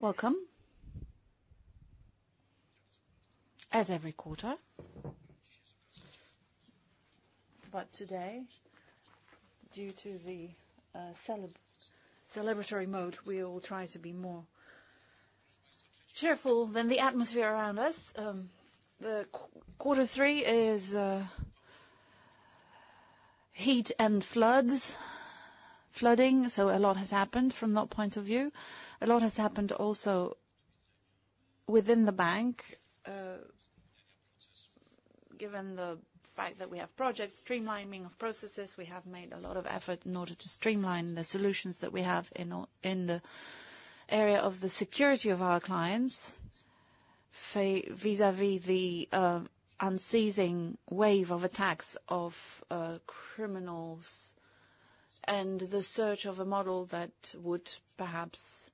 Welcome, as every quarter. But today, due to the celebratory mode, we all try to be more cheerful than the atmosphere around us. The quarter three is heat and floods, flooding, so a lot has happened from that point of view. A lot has happened also within the bank, given the fact that we have projects, streamlining of processes. We have made a lot of effort in order to streamline the solutions that we have in the area of the security of our clients, vis-à-vis the unceasing wave of attacks of criminals and the search of a model that would perhaps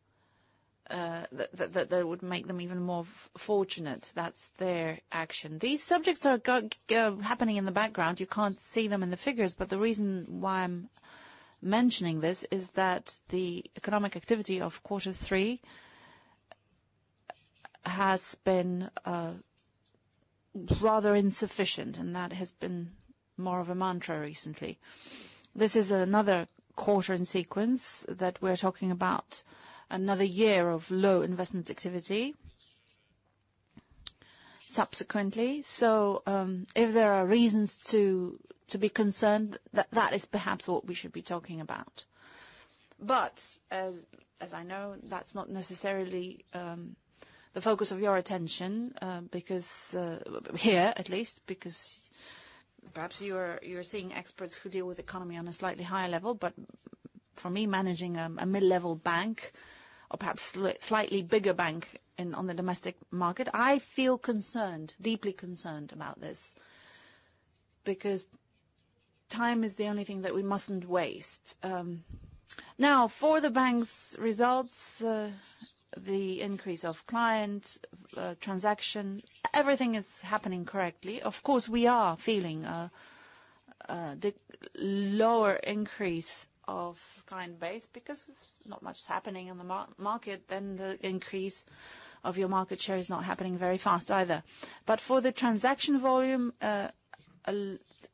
make them even more fortunate. That's their action. These subjects are happening in the background. You can't see them in the figures, but the reason why I'm mentioning this is that the economic activity of quarter three has been rather insufficient, and that has been more of a mantra recently. This is another quarter in sequence that we're talking about, another year of low investment activity subsequently. So if there are reasons to be concerned, that is perhaps what we should be talking about. But as I know, that's not necessarily the focus of your attention here, at least, because perhaps you are seeing experts who deal with economy on a slightly higher level. But for me, managing a mid-level bank or perhaps a slightly bigger bank on the domestic market, I feel concerned, deeply concerned about this because time is the only thing that we mustn't waste. Now, for the bank's results, the increase of client transaction, everything is happening correctly. Of course, we are feeling the lower increase of client base because not much is happening in the market. Then the increase of your market share is not happening very fast either. But for the transaction volume,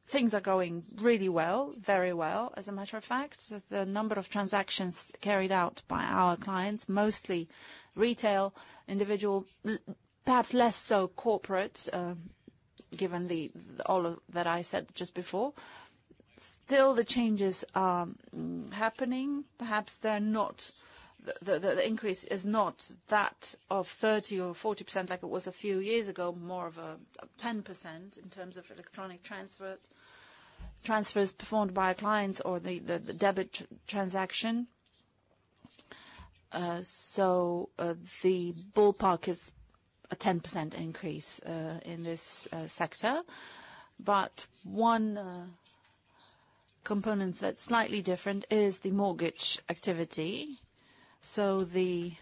things are going really well, very well, as a matter of fact. The number of transactions carried out by our clients, mostly retail, individual, perhaps less so corporate, given all that I said just before. Still, the changes are happening. Perhaps the increase is not that of 30% or 40% like it was a few years ago, more of a 10% in terms of electronic transfers performed by clients or the debit transaction. So the ballpark is a 10% increase in this sector. But one component that's slightly different is the mortgage activity. The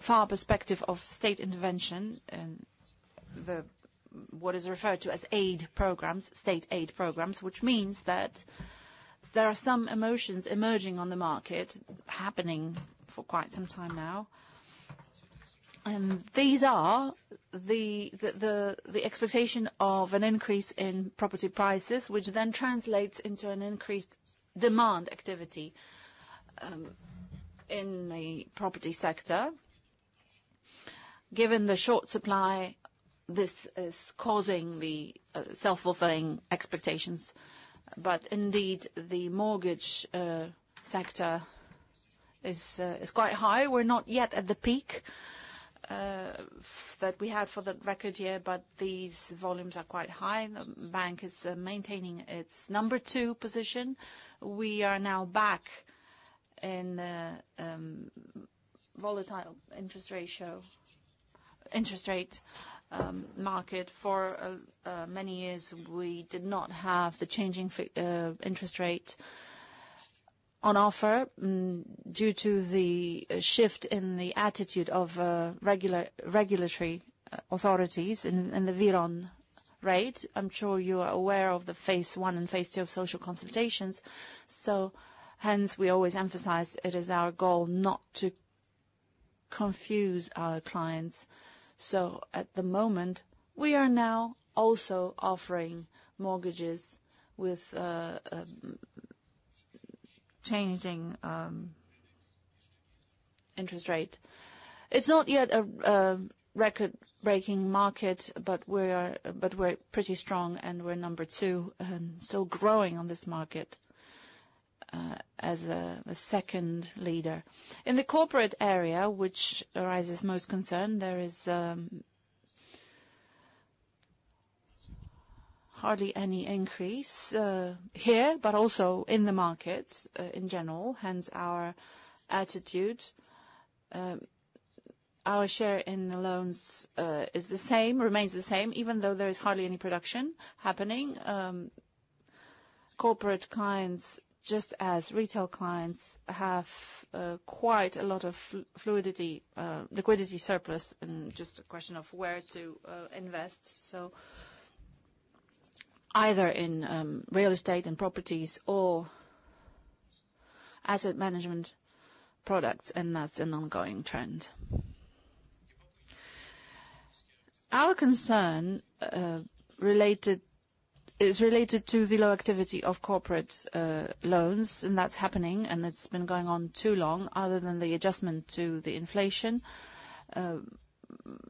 far perspective of state intervention and what is referred to as state aid programs, which means that there are some emotions emerging on the market happening for quite some time now. These are the expectation of an increase in property prices, which then translates into an increased demand activity in the property sector. Given the short supply, this is causing the self-fulfilling expectations. But indeed, the mortgage sector is quite high. We're not yet at the peak that we had for the record year, but these volumes are quite high. The bank is maintaining its number two position. We are now back in the volatile interest rate market. For many years, we did not have the changing interest rate on offer due to the shift in the attitude of regulatory authorities and the WIRON rate. I'm sure you are aware of the phase I and phase II of social consultations. So hence, we always emphasize it is our goal not to confuse our clients. So at the moment, we are now also offering mortgages with changing interest rate. It's not yet a record-breaking market, but we're pretty strong and we're number two and still growing on this market as a second leader. In the corporate area, which arises most concern, there is hardly any increase here, but also in the markets in general. Hence, our attitude, our share in the loans remains the same, even though there is hardly any production happening. Corporate clients, just as retail clients, have quite a lot of liquidity surplus and just a question of where to invest. So either in real estate and properties or asset management products, and that's an ongoing trend. Our concern is related to the low activity of corporate loans, and that's happening, and it's been going on too long, other than the adjustment to the inflation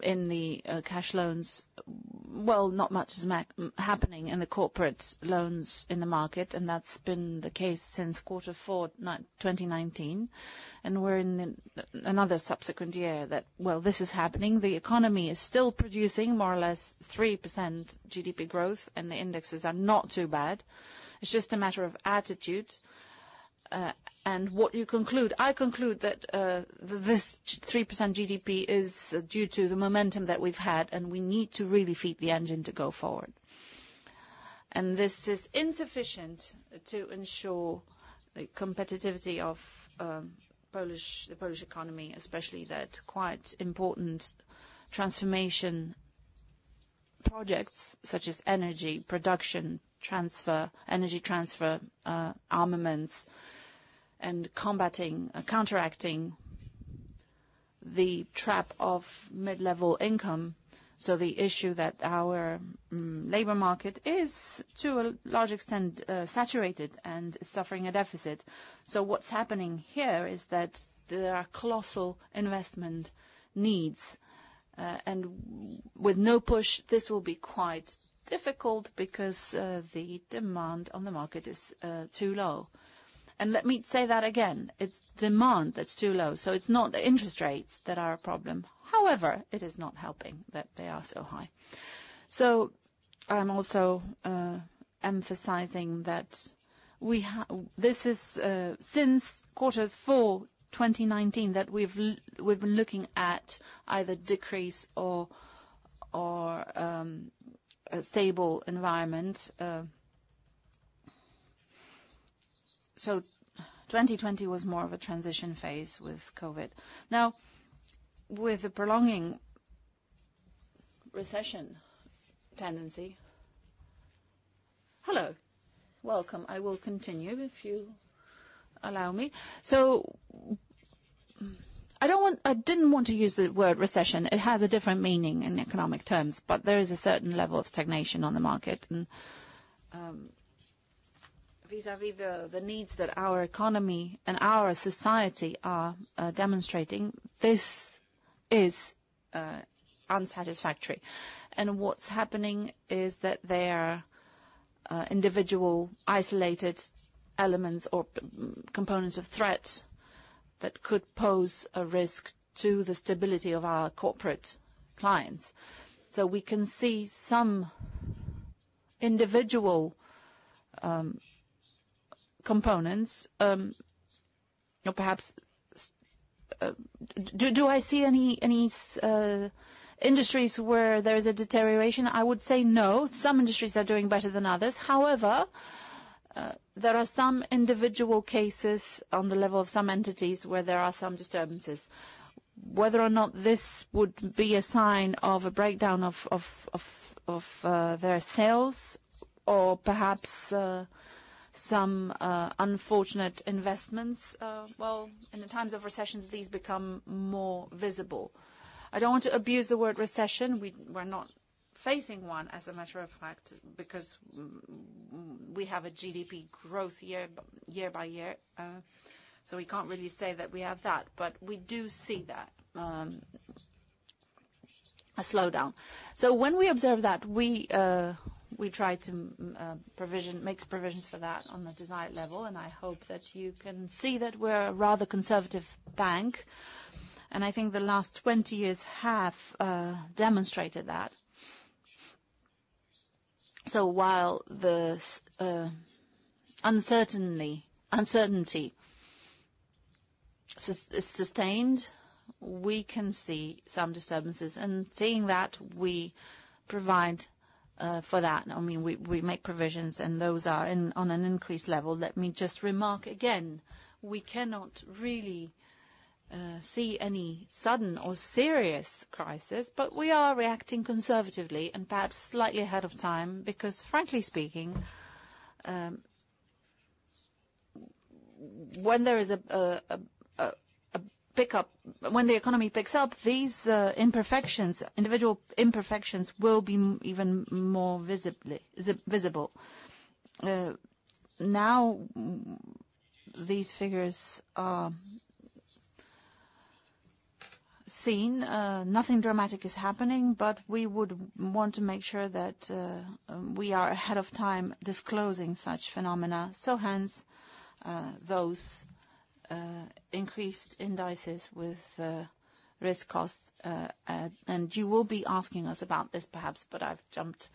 in the cash loans. Not much is happening in the corporate loans in the market, and that's been the case since quarter four, 2019. And we're in another subsequent year that, well, this is happening. The economy is still producing more or less 3% GDP growth, and the indexes are not too bad. It's just a matter of attitude. And what you conclude, I conclude that this 3% GDP is due to the momentum that we've had, and we need to really feed the engine to go forward. And this is insufficient to ensure the competitiveness of the Polish economy, especially that quite important transformation projects such as energy production, energy transition, armaments, and counteracting the trap of middle-income. So the issue that our labor market is, to a large extent, saturated and suffering a deficit. So what's happening here is that there are colossal investment needs. And with no push, this will be quite difficult because the demand on the market is too low. And let me say that again. It's demand that's too low. So it's not the interest rates that are a problem. However, it is not helping that they are so high. So I'm also emphasizing that this is since quarter four, 2019, that we've been looking at either decrease or a stable environment. So 2020 was more of a transition phase with COVID. Now, with the prolonging recession tendency, hello, welcome. I will continue if you allow me. So I didn't want to use the word recession. It has a different meaning in economic terms, but there is a certain level of stagnation on the market. And vis-à-vis the needs that our economy and our society are demonstrating, this is unsatisfactory. And what's happening is that there are individual isolated elements or components of threats that could pose a risk to the stability of our corporate clients. So we can see some individual components, or perhaps do I see any industries where there is a deterioration? I would say no. Some industries are doing better than others. However, there are some individual cases on the level of some entities where there are some disturbances. Whether or not this would be a sign of a breakdown of their sales or perhaps some unfortunate investments, well, in the times of recessions, these become more visible. I don't want to abuse the word recession. We're not facing one, as a matter of fact, because we have a GDP growth year by year, so we can't really say that we have that, but we do see a slowdown, so when we observe that, we try to make provisions for that on the desired level, and I hope that you can see that we're a rather conservative bank, and I think the last 20 years have demonstrated that, so while the uncertainty is sustained, we can see some disturbances, and seeing that, we provide for that. I mean, we make provisions, and those are on an increased level. Let me just remark again, we cannot really see any sudden or serious crisis, but we are reacting conservatively and perhaps slightly ahead of time because, frankly speaking, when there is a pickup, when the economy picks up, these individual imperfections will be even more visible. Now, these figures are seen. Nothing dramatic is happening, but we would want to make sure that we are ahead of time disclosing such phenomena. So hence, those increased indices with risk costs. And you will be asking us about this perhaps, but I've jumped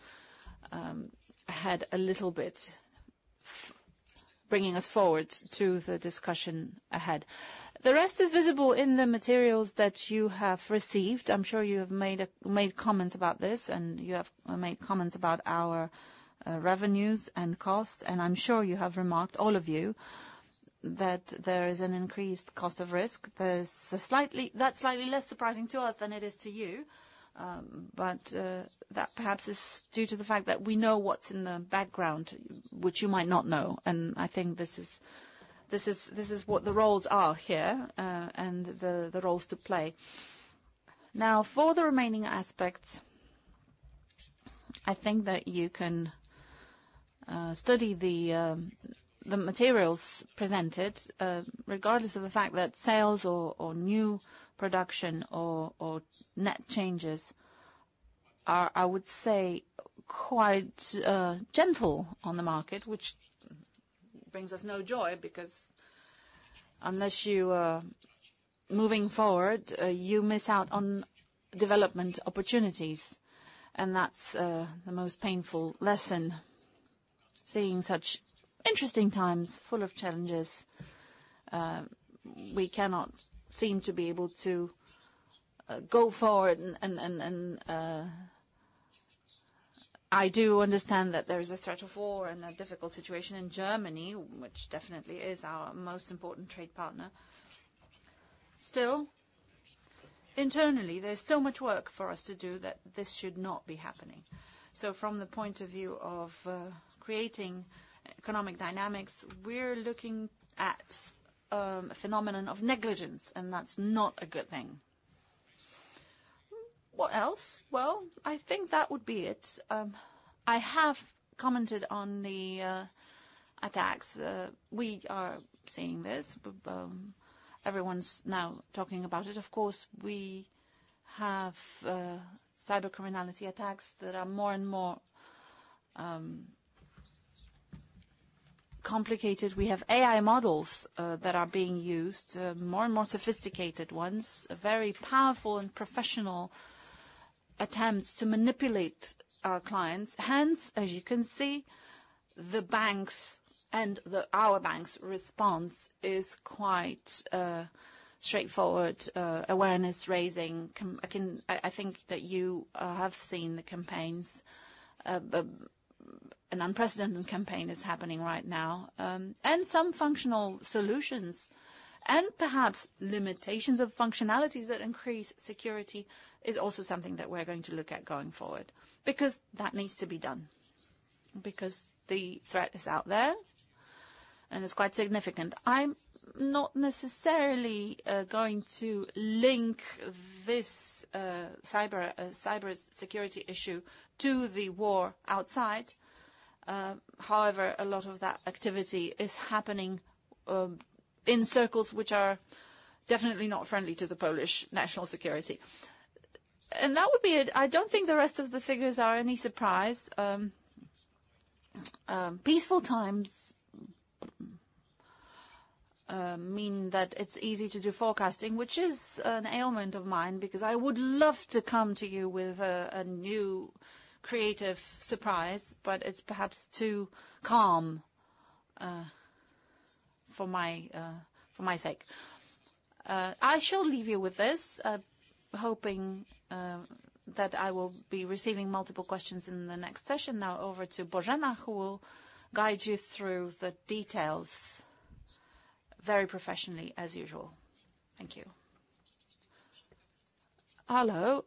ahead a little bit, bringing us forward to the discussion ahead. The rest is visible in the materials that you have received. I'm sure you have made comments about this, and you have made comments about our revenues and costs. And I'm sure you have remarked, all of you, that there is an increased cost of risk. That's slightly less surprising to us than it is to you. But that perhaps is due to the fact that we know what's in the background, which you might not know. And I think this is what the roles are here and the roles to play. Now, for the remaining aspects, I think that you can study the materials presented, regardless of the fact that sales or new production or net changes are, I would say, quite gentle on the market, which brings us no joy because unless you are moving forward, you miss out on development opportunities, and that's the most painful lesson. Seeing such interesting times full of challenges, we cannot seem to be able to go forward, and I do understand that there is a threat of war and a difficult situation in Germany, which definitely is our most important trade partner. Still, internally, there's so much work for us to do that this should not be happening, so from the point of view of creating economic dynamics, we're looking at a phenomenon of negligence, and that's not a good thing. What else? Well, I think that would be it. I have commented on the attacks. We are seeing this. Everyone's now talking about it. Of course, we have cybercriminality attacks that are more and more complicated. We have AI models that are being used, more and more sophisticated ones, very powerful and professional attempts to manipulate our clients. Hence, as you can see, the banks and our banks' response is quite straightforward, awareness-raising. I think that you have seen the campaigns. An unprecedented campaign is happening right now. And some functional solutions and perhaps limitations of functionalities that increase security is also something that we're going to look at going forward because that needs to be done because the threat is out there and it's quite significant. I'm not necessarily going to link this cyber security issue to the war outside. However, a lot of that activity is happening in circles which are definitely not friendly to the Polish national security, and that would be it. I don't think the rest of the figures are any surprise. Peaceful times mean that it's easy to do forecasting, which is an ailment of mine because I would love to come to you with a new creative surprise, but it's perhaps too calm for my sake. I shall leave you with this, hoping that I will be receiving multiple questions in the next session. Now, over to Bożena, who will guide you through the details very professionally, as usual. Thank you. Hello.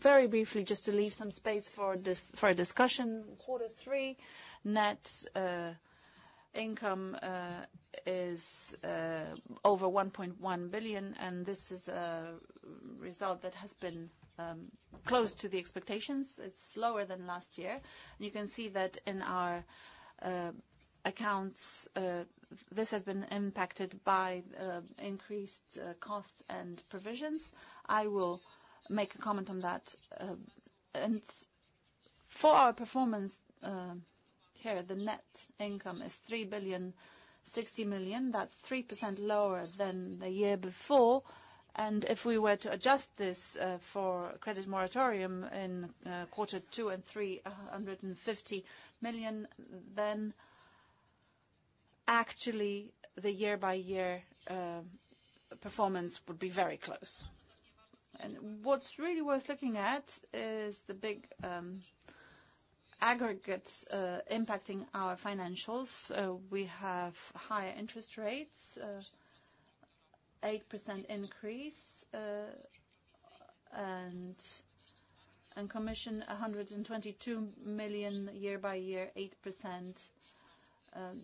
Very briefly, just to leave some space for a discussion. Quarter three, net income is over 1.1 billion, and this is a result that has been close to the expectations. It's lower than last year. You can see that in our accounts, this has been impacted by increased costs and provisions. I will make a comment on that. For our performance here, the net income is 3 billion 60 million. That's 3% lower than the year before. If we were to adjust this for credit moratorium in quarter two and three, 150 million, then actually the year-by-year performance would be very close. What's really worth looking at is the big aggregates impacting our financials. We have higher interest rates, 8% increase, and commission, PLN 122 million year-by-year, 8%.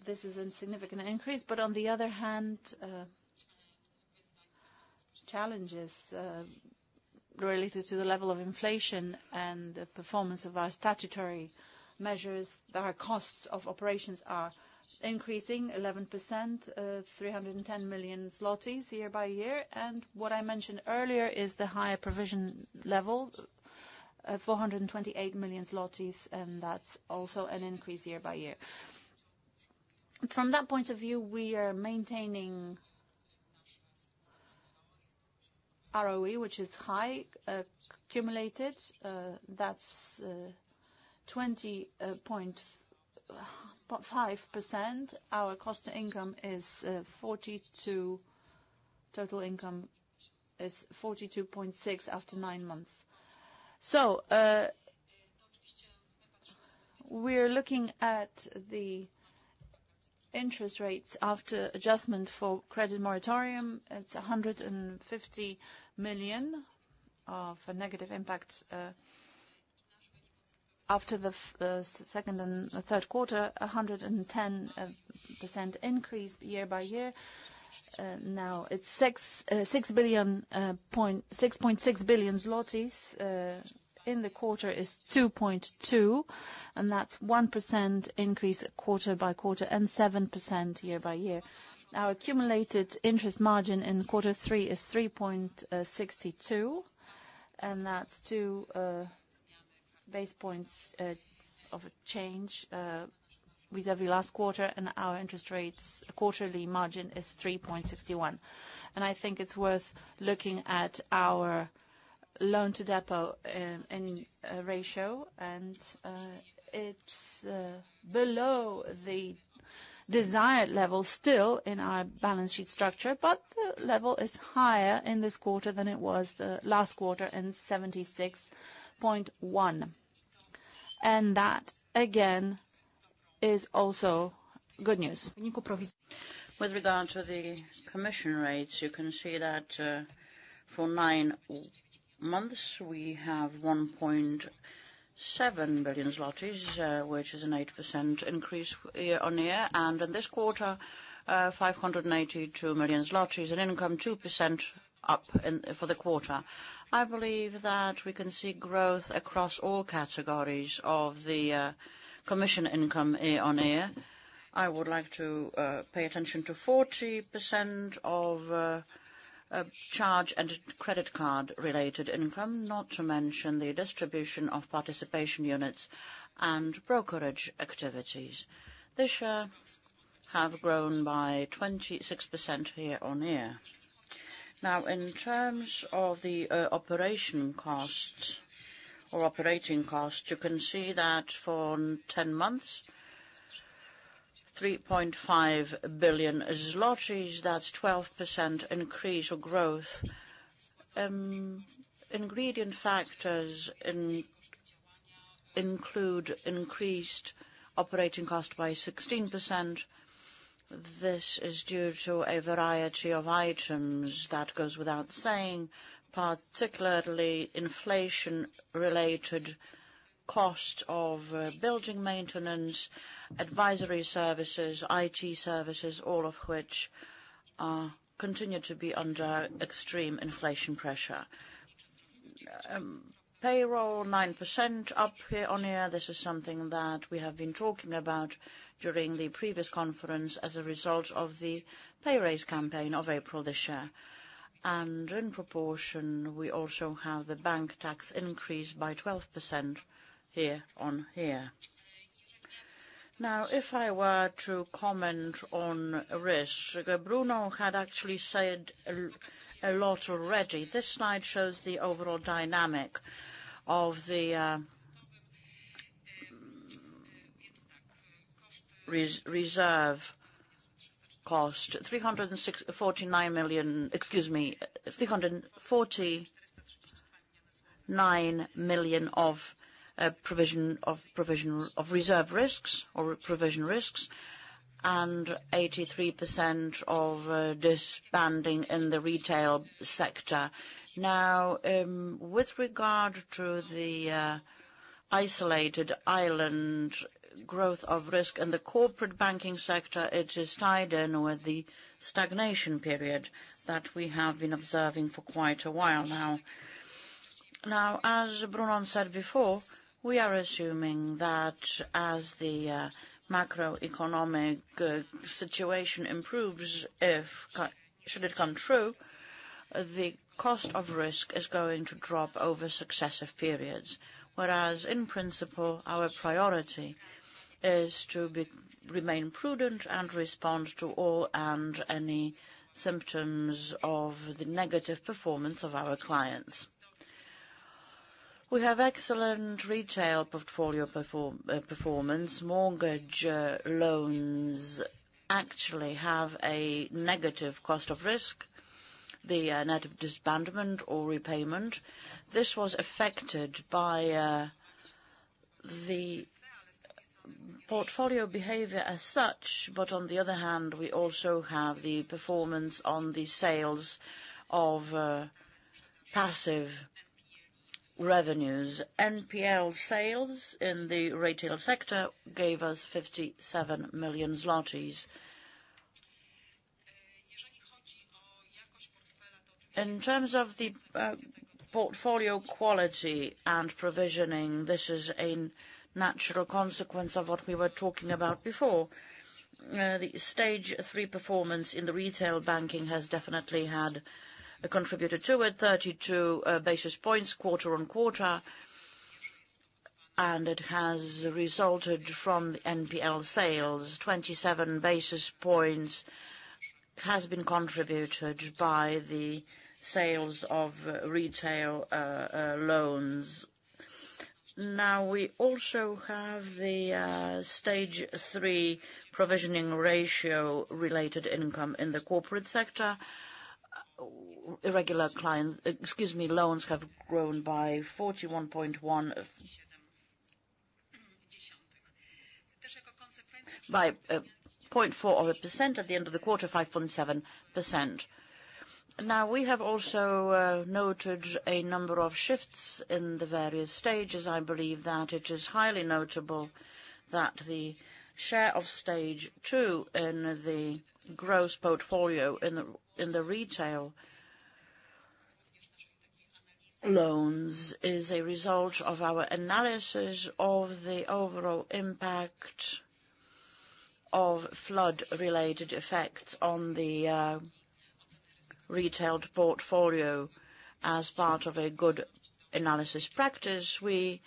This is a significant increase. But on the other hand, challenges related to the level of inflation and the performance of our statutory measures. Our costs of operations are increasing 11%, 310 million zlotys year-by-year. What I mentioned earlier is the higher provision level, 428 million zlotys, and that's also an increase year-by-year. From that point of view, we are maintaining ROE, which is high, accumulated. That's 20.5%. Our cost of income is 42.6% after nine months. So we're looking at the interest rates after adjustment for credit moratorium. It's 150 million of a negative impact after the second and third quarter, 110% increase year-by-year. Now, it's 6.6 billion zlotys. In the quarter, it's 2.2 billion, and that's 1% increase quarter by quarter and 7% year-by-year. Our accumulated interest margin in quarter three is 3.62, and that's two basis points of a change vis-à-vis last quarter. And our interest rates, quarterly margin is 3.61. And I think it's worth looking at our loan-to-deposit ratio, and it's below the desired level still in our balance sheet structure, but the level is higher in this quarter than it was last quarter in 76.1%. And that, again, is also good news. With regard to the commission rates, you can see that for nine months, we have 1.7 billion zlotys, which is an 8% increase year-on-year, and in this quarter, 582 million zlotys, an income 2% up for the quarter. I believe that we can see growth across all categories of the commission income year-on-year. I would like to pay attention to 40% of charge and credit card-related income, not to mention the distribution of participation units and brokerage activities. This year has grown by 26% year-on-year. Now, in terms of the operation costs or operating costs, you can see that for 10 months, 3.5 billion zlotys, that's 12% increase or growth. Underlying factors include increased operating cost by 16%. This is due to a variety of items that go without saying, particularly inflation-related costs of building maintenance, advisory services, IT services, all of which continue to be under extreme inflation pressure. Payroll 9% up year-on-year. This is something that we have been talking about during the previous conference as a result of the pay raise campaign of April this year. And in proportion, we also have the bank tax increase by 12% year-on-year. Now, if I were to comment on risk, Brunon had actually said a lot already. This slide shows the overall dynamic of the reserve cost, 349 million. Excuse me, 349 million of provision of reserve risks or provision risks, and 83% of provisions in the retail sector. Now, with regard to the isolated increase of risk in the corporate banking sector, it is tied in with the stagnation period that we have been observing for quite a while now. Now, as Brunon said before, we are assuming that as the macroeconomic situation improves, if it should come true, the cost of risk is going to drop over successive periods. Whereas, in principle, our priority is to remain prudent and respond to all and any symptoms of the negative performance of our clients. We have excellent retail portfolio performance. Mortgage loans actually have a negative cost of risk, the net disbursement or repayment. This was affected by the portfolio behavior as such, but on the other hand, we also have the performance on the sales of passive revenues. NPL sales in the retail sector gave us 57 million zlotys. In terms of the portfolio quality and provisioning, this is a natural consequence of what we were talking about before. The Stage 3 performance in the retail banking has definitely contributed to it: 32 basis points quarter on quarter, and it has resulted from the NPL sales. 27 basis points has been contributed by the sales of retail loans. Now, we also have the Stage 3 provisioning ratio related income in the corporate sector. Irregular clients, excuse me, loans have grown by 41.1%. By 0.4% at the end of the quarter, 5.7%. Now, we have also noted a number of shifts in the various stages. I believe that it is highly notable that the share of Stage 2 in the gross portfolio in the retail loans is a result of our analysis of the overall impact of flood-related effects on the retail portfolio. As part of a good analysis practice, we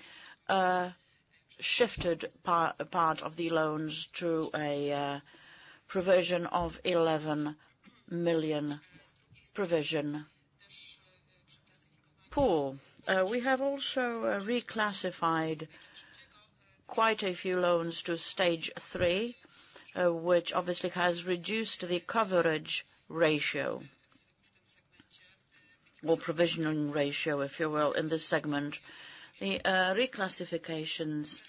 shifted part of the loans to a provision of PLN 11 million. We have also reclassified quite a few loans to Stage 3, which obviously has reduced the coverage ratio or provisioning ratio, if you will, in this segment. The reclassifications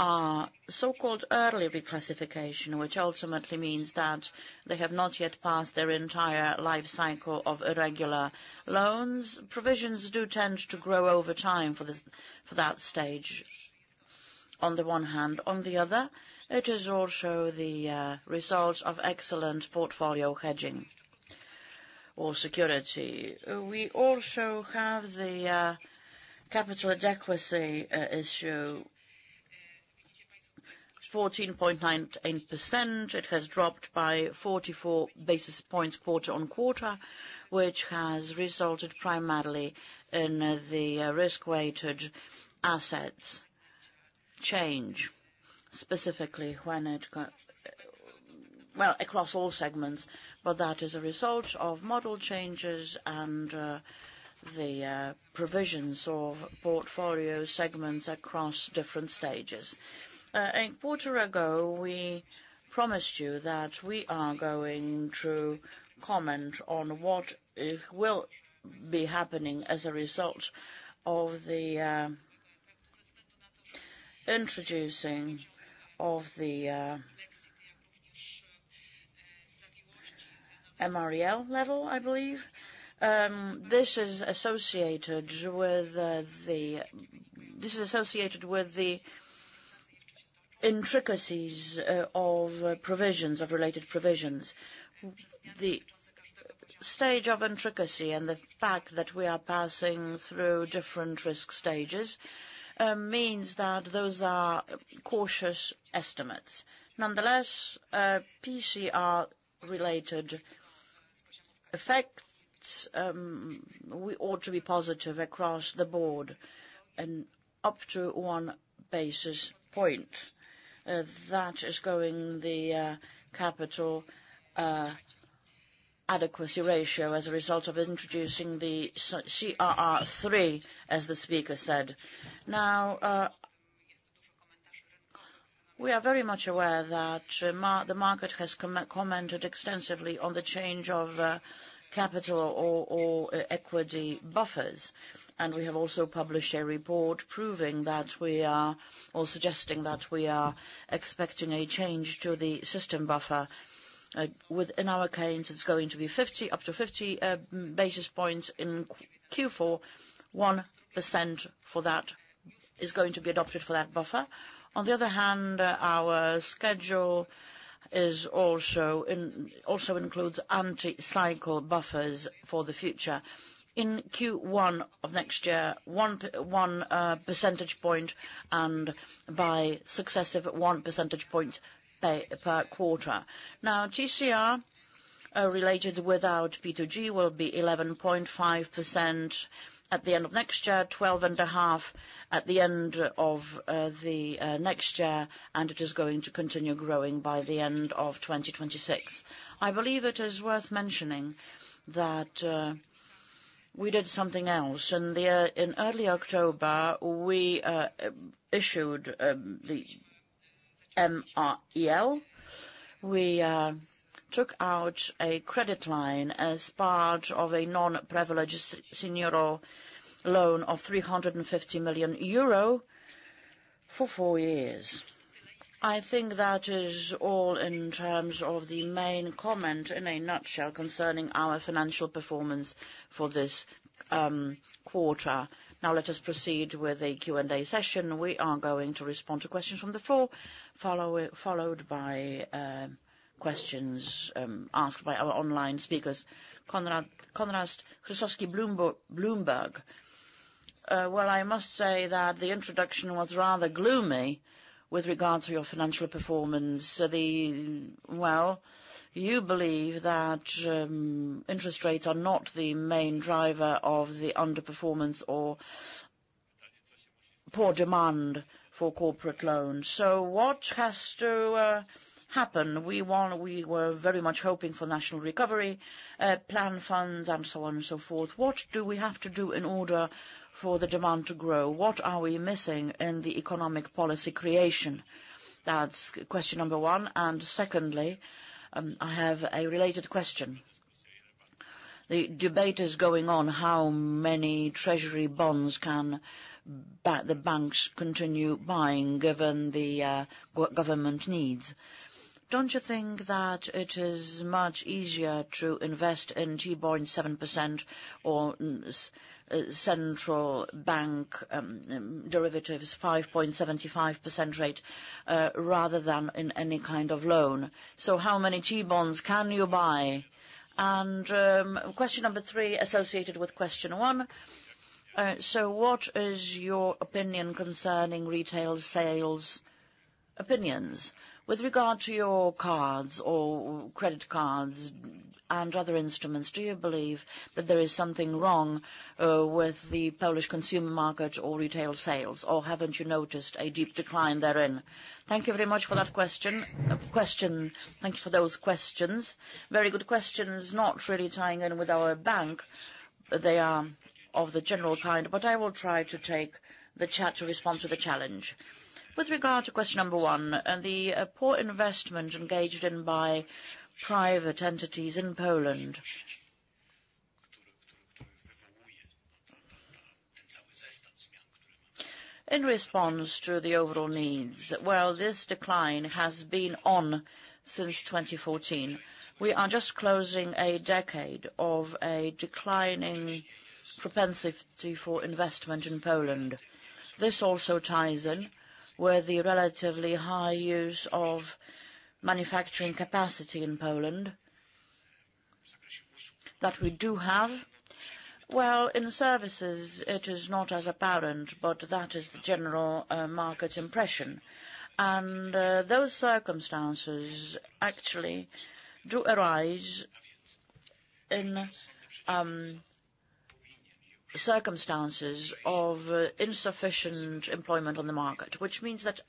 are so-called early reclassification, which ultimately means that they have not yet passed their entire life cycle of irregular loans. Provisions do tend to grow over time for that Stage, on the one hand. On the other, it is also the result of excellent portfolio hedging or security. We also have the capital adequacy ratio, 14.98%. It has dropped by 44 basis points quarter on quarter, which has resulted primarily from the risk-weighted assets change, specifically when it, well, across all segments, but that is a result of model changes and the provisions of portfolio segments across different stages. A quarter ago, we promised you that we are going to comment on what will be happening as a result of the introduction of the MREL level, I believe. This is associated with the intricacies of provisions, of related provisions. The stage of intricacies and the fact that we are passing through different risk stages means that those are cautious estimates. Nonetheless, P2R-related effects ought to be positive across the board and up to one basis point. That is going to the capital adequacy ratio as a result of introducing the CRR3, as the speaker said. Now, we are very much aware that the market has commented extensively on the change of capital or equity buffers, and we have also published a report proving that we are or suggesting that we are expecting a change to the system buffer. In our case, it's going to be up to 50 basis points in Q4. 1% for that is going to be adopted for that buffer. On the other hand, our schedule also includes anti-cycle buffers for the future. In Q1 of next year, 1 percentage point and by successive 1 percentage point per quarter. Now, TCR-related without P2G will be 11.5% at the end of next year, 12.5% at the end of the next year, and it is going to continue growing by the end of 2026. I believe it is worth mentioning that we did something else. In early October, we issued the MREL. We took out a credit line as part of a Senior Non-Preferred loan of 350 million euro for four years. I think that is all in terms of the main comment in a nutshell concerning our financial performance for this quarter. Now, let us proceed with a Q&A session. We are going to respond to questions from the floor, followed by questions asked by our online speakers, Konrad Krasuski. I must say that the introduction was rather gloomy with regard to your financial performance. You believe that interest rates are not the main driver of the underperformance or poor demand for corporate loans, so what has to happen? We were very much hoping for National Recovery Plan funds and so on and so forth. What do we have to do in order for the demand to grow? What are we missing in the economic policy creation? That's question number one, and secondly, I have a related question. The debate is going on how many Treasury bonds can the banks continue buying given the government needs? Don't you think that it is much easier to invest in T-bonds 7% or central bank derivatives 5.75% rate rather than in any kind of loan? So how many T-bonds can you buy? And question number three associated with question one. So what is your opinion concerning retail sales opinions? With regard to your cards or credit cards and other instruments, do you believe that there is something wrong with the Polish consumer market or retail sales, or haven't you noticed a deep decline therein? Thank you very much for that question. Thank you for those questions. Very good questions, not really tying in with our bank. They are of the general kind, but I will try to tackle that to respond to the challenge. With regard to question number one, the poor investment engaged in by private entities in Poland in response to the overall needs. This decline has been on since 2014. We are just closing a decade of a declining propensity for investment in Poland. This also ties in with the relatively high use of manufacturing capacity in Poland that we do have. In services, it is not as apparent, but that is the general market impression. Those circumstances actually do arise in circumstances of insufficient employment on the market, which means that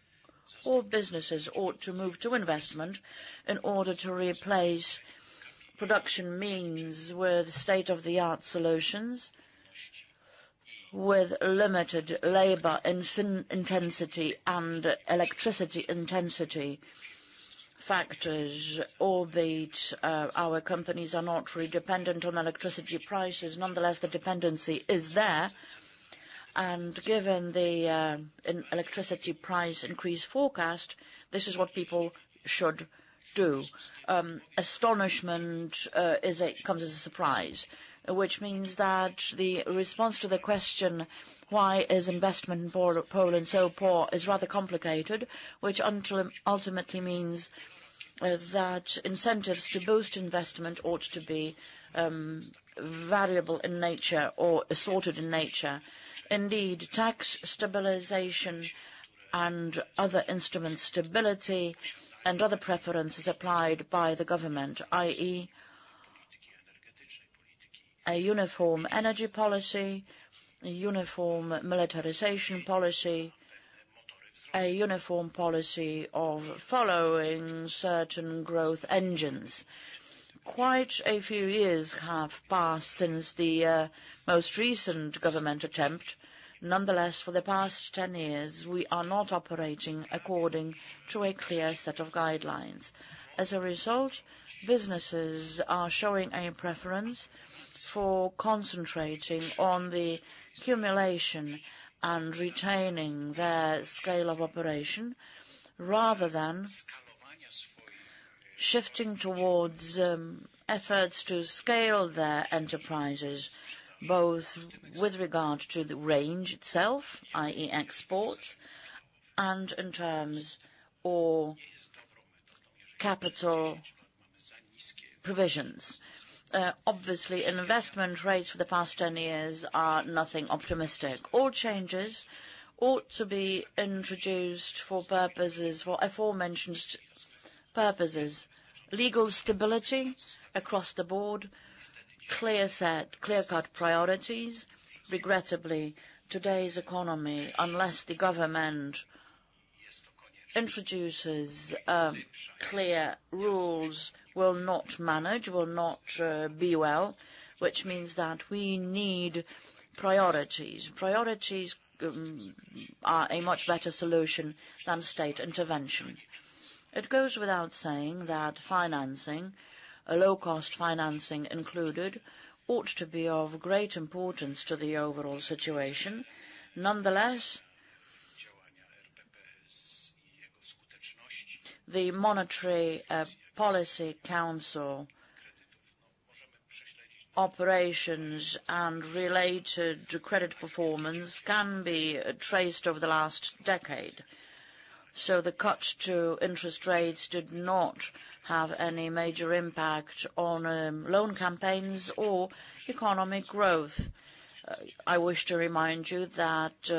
all businesses ought to move to investment in order to replace production means with state-of-the-art solutions with limited labor intensity and electricity intensity factors, albeit our companies are not really dependent on electricity prices. Nonetheless, the dependency is there. Given the electricity price increase forecast, this is what people should do. Astonishment comes as a surprise, which means that the response to the question, "Why is investment in Poland so poor?" is rather complicated, which ultimately means that incentives to boost investment ought to be variable in nature or assorted in nature. Indeed, tax stabilization and other instrument stability and other preferences applied by the government, i.e., a uniform energy policy, a uniform militarization policy, a uniform policy of following certain growth engines. Quite a few years have passed since the most recent government attempt. Nonetheless, for the past 10 years, we are not operating according to a clear set of guidelines. As a result, businesses are showing a preference for concentrating on the cumulation and retaining their scale of operation rather than shifting towards efforts to scale their enterprises, both with regard to the range itself, i.e., exports, and in terms of capital provisions. Obviously, investment rates for the past 10 years are nothing optimistic. All changes ought to be introduced for aforementioned purposes: legal stability across the board, clear-cut priorities. Regrettably, today's economy, unless the government introduces clear rules, will not manage, will not be well, which means that we need priorities. Priorities are a much better solution than state intervention. It goes without saying that financing, low-cost financing included, ought to be of great importance to the overall situation. Nonetheless, the Monetary Policy Council operations and related credit performance can be traced over the last decade. So the cut to interest rates did not have any major impact on loan campaigns or economic growth. I wish to remind you that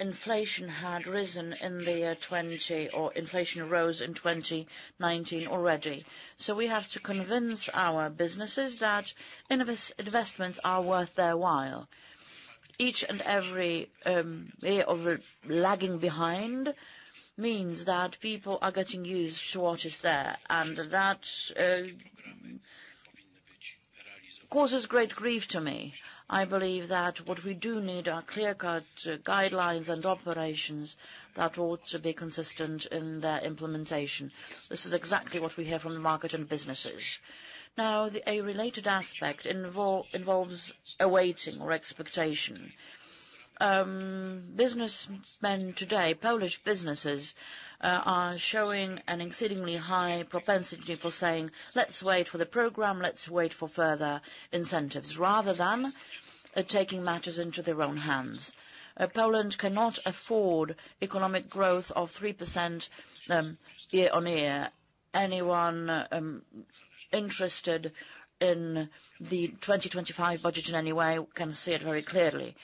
inflation had risen in the year 2020, or inflation rose in 2019 already. So we have to convince our businesses that investments are worth their while. Each and every year of lagging behind means that people are getting used to what is there, and that causes great grief to me. I believe that what we do need are clear-cut guidelines and operations that ought to be consistent in their implementation. This is exactly what we hear from the market and businesses. Now, a related aspect involves awaiting or expectation. Businessmen today, Polish businesses, are showing an exceedingly high propensity for saying, "Let's wait for the program, let's wait for further incentives," rather than taking matters into their own hands. Poland cannot afford economic growth of 3% year-on-year. Anyone interested in the 2025 budget in any way can see it very clearly.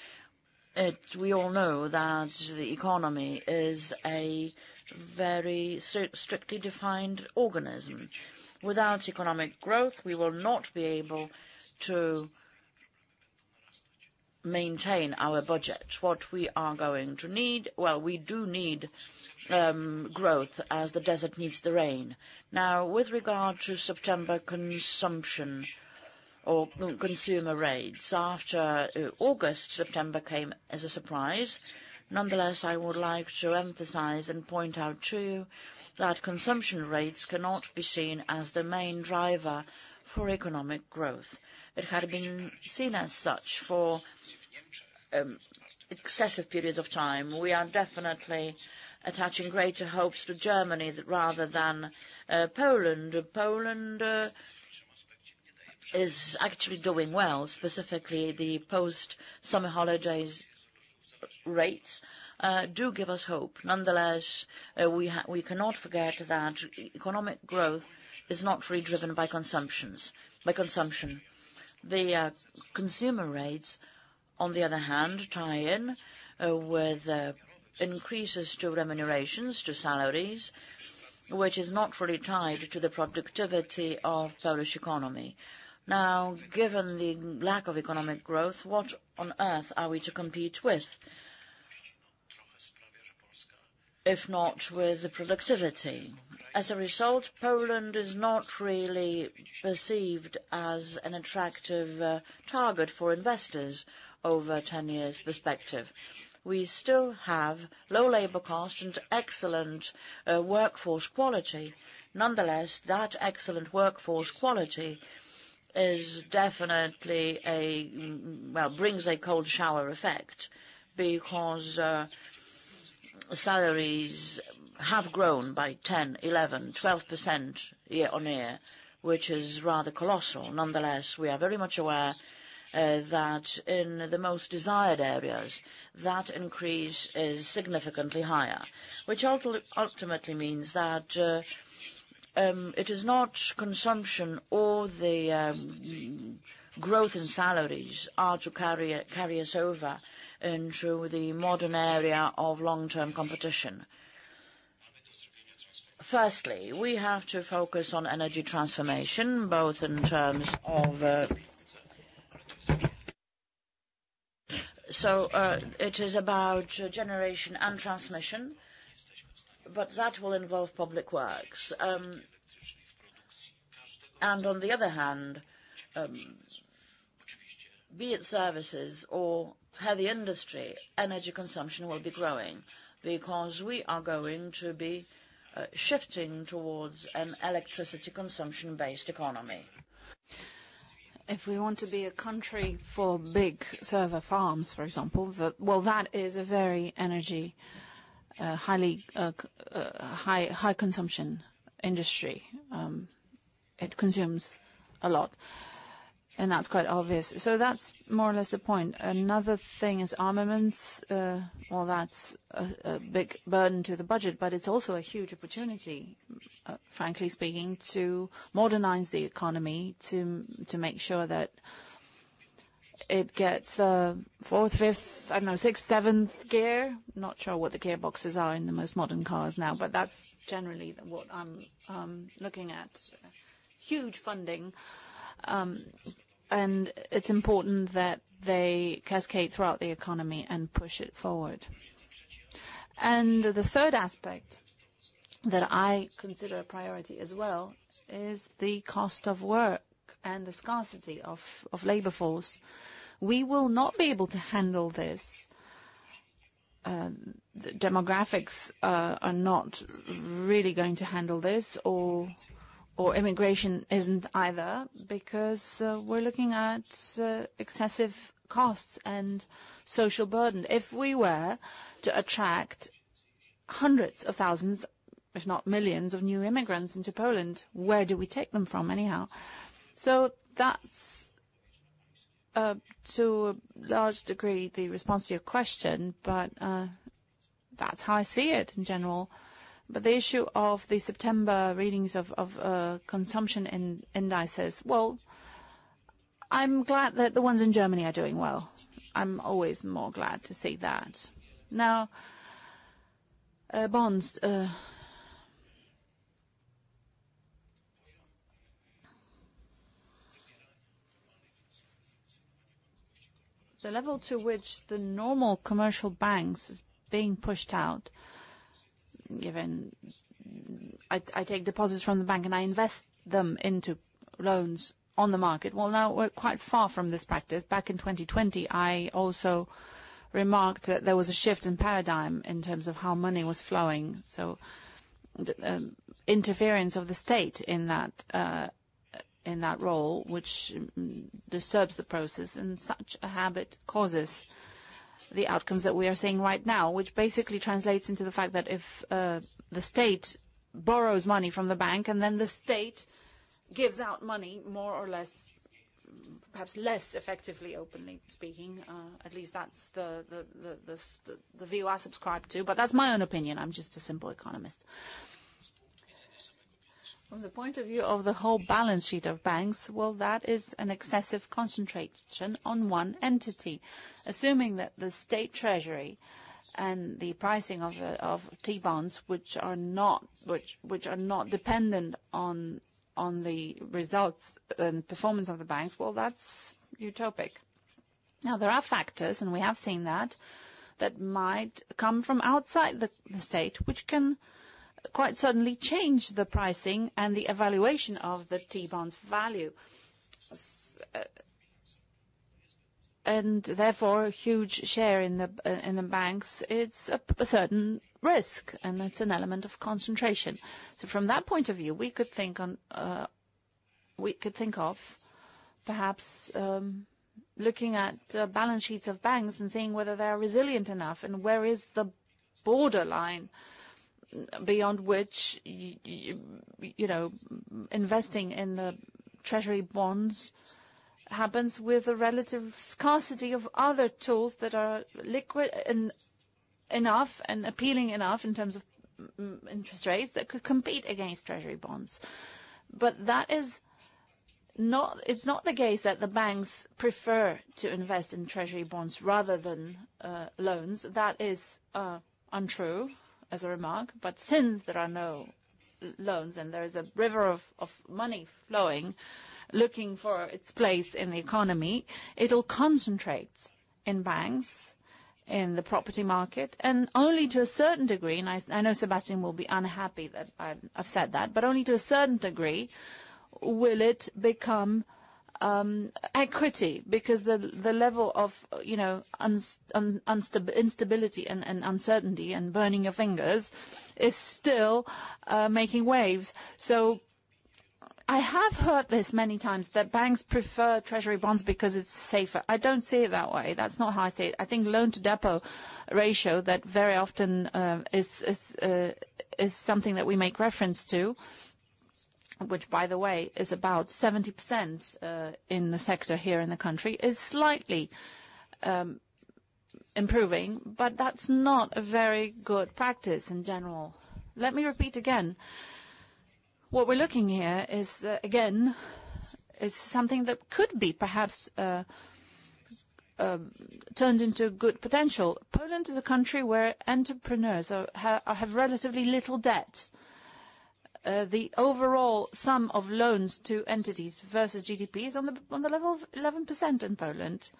We all know that the economy is a very strictly defined organism. Without economic growth, we will not be able to maintain our budget. What we are going to need. Well, we do need growth as the desert needs the rain. Now, with regard to September consumption or consumer rates, after August, September came as a surprise. Nonetheless, I would like to emphasize and point out to you that consumption rates cannot be seen as the main driver for economic growth. It had been seen as such for excessive periods of time. We are definitely attaching greater hopes to Germany rather than Poland. Poland is actually doing well. Specifically, the post-summer holidays rates do give us hope. Nonetheless, we cannot forget that economic growth is not really driven by consumption. The consumer rates, on the other hand, tie in with increases to remunerations, to salaries, which is not really tied to the productivity of the Polish economy. Now, given the lack of economic growth, what on earth are we to compete with, if not with the productivity? As a result, Poland is not really perceived as an attractive target for investors over a 10-year perspective. We still have low labor costs and excellent workforce quality. Nonetheless, that excellent workforce quality definitely brings a cold shower effect because salaries have grown by 10%, 11%, 12% year-on-year, which is rather colossal. Nonetheless, we are very much aware that in the most desired areas, that increase is significantly higher, which ultimately means that it is not consumption or the growth in salaries that are to carry us over into the modern area of long-term competition. Firstly, we have to focus on energy transformation, both in terms of, so it is about generation and transmission, but that will involve public works. And on the other hand, be it services or heavy industry, energy consumption will be growing because we are going to be shifting towards an electricity consumption-based economy. If we want to be a country for big server farms, for example, well, that is a very energy, high-consumption industry. It consumes a lot, and that's quite obvious. So that's more or less the point. Another thing is armaments. Well, that's a big burden to the budget, but it's also a huge opportunity, frankly speaking, to modernize the economy to make sure that it gets fourth, fifth, I don't know, sixth, seventh gear. Not sure what the gearboxes are in the most modern cars now, but that's generally what I'm looking at. Huge funding, and it's important that they cascade throughout the economy and push it forward. The third aspect that I consider a priority as well is the cost of work and the scarcity of labor force. We will not be able to handle this. Demographics are not really going to handle this, or immigration isn't either, because we're looking at excessive costs and social burden. If we were to attract hundreds of thousands, if not millions, of new immigrants into Poland, where do we take them from anyhow? That's, to a large degree, the response to your question, but that's how I see it in general. The issue of the September readings of consumption indices, well, I'm glad that the ones in Germany are doing well. I'm always more glad to see that. Now, the level to which the normal commercial banks are being pushed out, given I take deposits from the bank and I invest them into loans on the market, well, now we're quite far from this practice. Back in 2020, I also remarked that there was a shift in paradigm in terms of how money was flowing. So interference of the state in that role, which disturbs the process and such a habit, causes the outcomes that we are seeing right now, which basically translates into the fact that if the state borrows money from the bank and then the state gives out money more or less, perhaps less effectively, openly speaking, at least that's the view I subscribe to, but that's my own opinion. I'm just a simple economist. From the point of view of the whole balance sheet of banks, well, that is an excessive concentration on one entity. Assuming that the State Treasury and the pricing of T-bonds, which are not dependent on the results and performance of the banks, well, that's utopian. Now, there are factors, and we have seen that, that might come from outside the state, which can quite suddenly change the pricing and the evaluation of the T-bonds' value. And therefore, a huge share in the banks, it's a certain risk, and that's an element of concentration. So from that point of view, we could think of perhaps looking at the balance sheets of banks and seeing whether they are resilient enough and where is the borderline beyond which investing in the treasury bonds happens with a relative scarcity of other tools that are liquid enough and appealing enough in terms of interest rates that could compete against treasury bonds. But it's not the case that the banks prefer to invest in treasury bonds rather than loans. That is untrue, as a remark, but since there are no loans and there is a river of money flowing looking for its place in the economy, it'll concentrate in banks, in the property market, and only to a certain degree, and I know Sebastian will be unhappy that I've said that, but only to a certain degree will it become equity because the level of instability and uncertainty and burning your fingers is still making waves. So I have heard this many times, that banks prefer Treasury bonds because it's safer. I don't see it that way. That's not how I see it. I think loan-to-deposit ratio that very often is something that we make reference to, which, by the way, is about 70% in the sector here in the country, is slightly improving, but that's not a very good practice in general. Let me repeat again. What we're looking here is, again, it's something that could be perhaps turned into good potential. Poland is a country where entrepreneurs have relatively little debt. The overall sum of loans to entities versus GDP is on the level of 11% in Poland,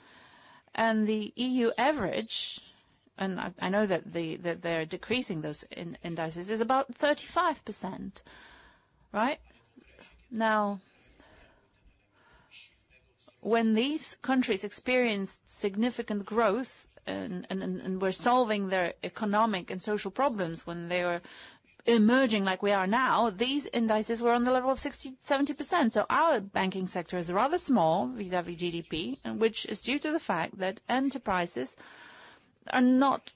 and the EU average—and I know that they're decreasing those indices—is about 35%, right? Now, when these countries experienced significant growth and were solving their economic and social problems when they were emerging like we are now, these indices were on the level of 60%-70%. So our banking sector is rather small vis-à-vis GDP, which is due to the fact that enterprises are not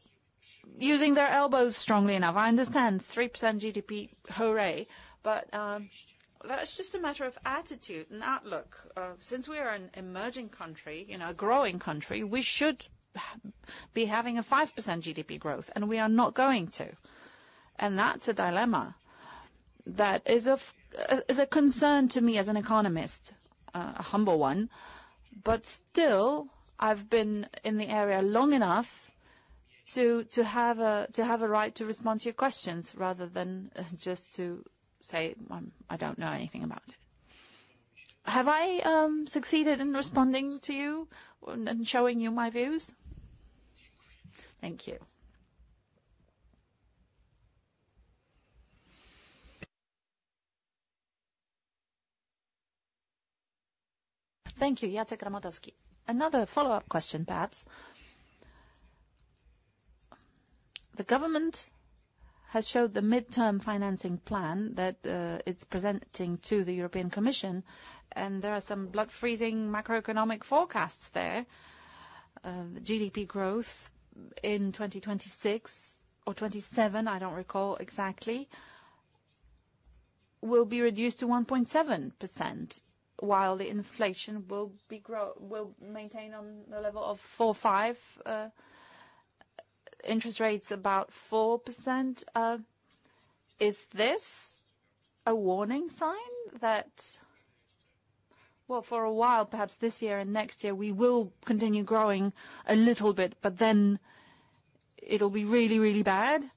using their elbows strongly enough. I understand 3% GDP, hooray, but that's just a matter of attitude and outlook. Since we are an emerging country, a growing country, we should be having a 5% GDP growth, and we are not going to, and that's a dilemma that is a concern to me as an economist, a humble one, but still, I've been in the area long enough to have a right to respond to your questions rather than just to say, "I don't know anything about it." Have I succeeded in responding to you and showing you my views? Another follow-up question, perhaps. The government has showed the midterm financing plan that it's presenting to the European Commission, and there are some blood-freezing macroeconomic forecasts there. GDP growth in 2026 or 2027, I don't recall exactly, will be reduced to 1.7%, while the inflation will maintain on the level of 4.5%, interest rates about 4%. Is this a warning sign that, well, for a while, perhaps this year and next year, we will continue growing a little bit, but then it'll be really, really bad?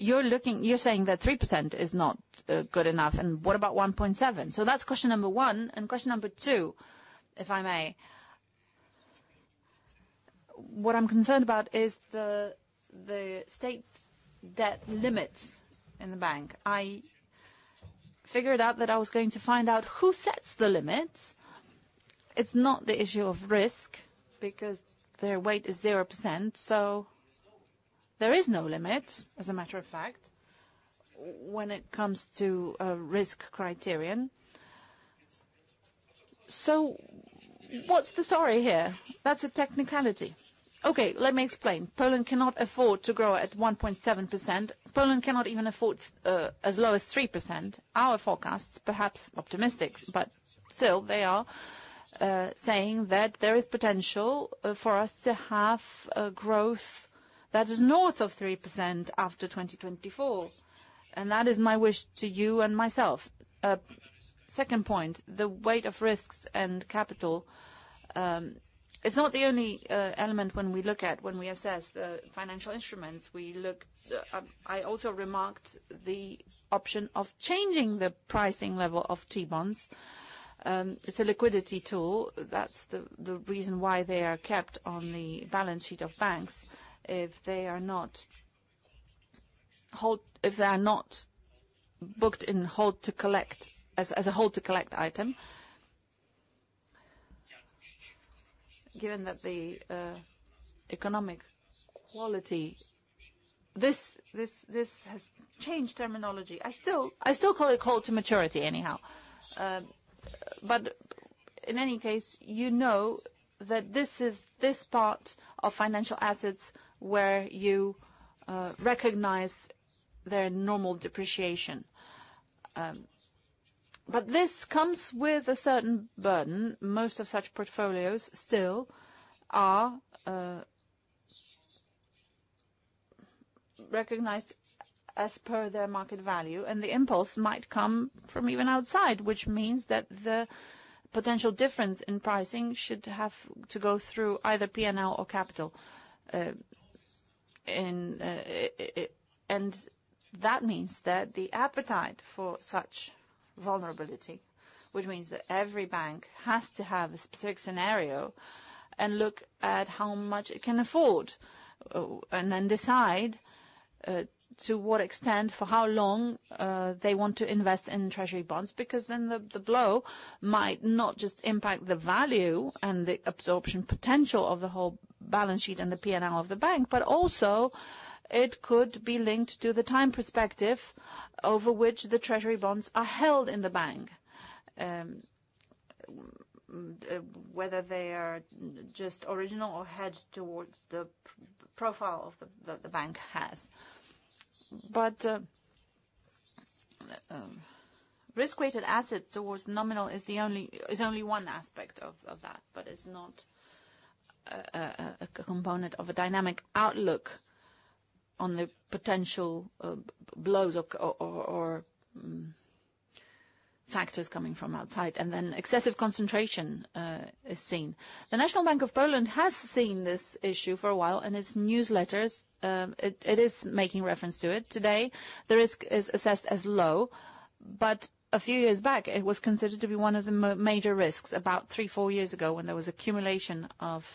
You're saying that 3% is not good enough, and what about 1.7%? So that's question number one, and question number two, if I may, what I'm concerned about is the state debt limit in the bank. I figured out that I was going to find out who sets the limits. It's not the issue of risk because their weight is 0%, so there is no limit, as a matter of fact, when it comes to a risk criterion. So what's the story here? That's a technicality. Okay, let me explain. Poland cannot afford to grow at 1.7%. Poland cannot even afford as low as 3%. Our forecasts, perhaps optimistic, but still, they are saying that there is potential for us to have a growth that is north of 3% after 2024. And that is my wish to you and myself. Second point, the weight of risks and capital. It's not the only element when we look at when we assess the financial instruments. I also remarked the option of changing the pricing level of T-bonds. It's a liquidity tool. That's the reason why they are kept on the balance sheet of banks if they are not booked in hold to collect as a hold to collect item, given that the economic quality. This has changed terminology. I still call it hold to maturity anyhow. But in any case, you know that this is this part of financial assets where you recognize their normal depreciation. But this comes with a certain burden. Most of such portfolios still are recognized as per their market value, and the impulse might come from even outside, which means that the potential difference in pricing should have to go through either P&L or capital, and that means that the appetite for such vulnerability, which means that every bank has to have a specific scenario and look at how much it can afford and then decide to what extent, for how long they want to invest in treasury bonds, because then the blow might not just impact the value and the absorption potential of the whole balance sheet and the P&L of the bank, but also it could be linked to the time perspective over which the treasury bonds are held in the bank, whether they are just original or hedged towards the profile of the bank has. Risk-weighted assets towards nominal is only one aspect of that, but it's not a component of a dynamic outlook on the potential blows or factors coming from outside. Excessive concentration is seen. The National Bank of Poland has seen this issue for a while in its newsletters. It is making reference to it today. The risk is assessed as low, but a few years back, it was considered to be one of the major risks about three, four years ago when there was accumulation of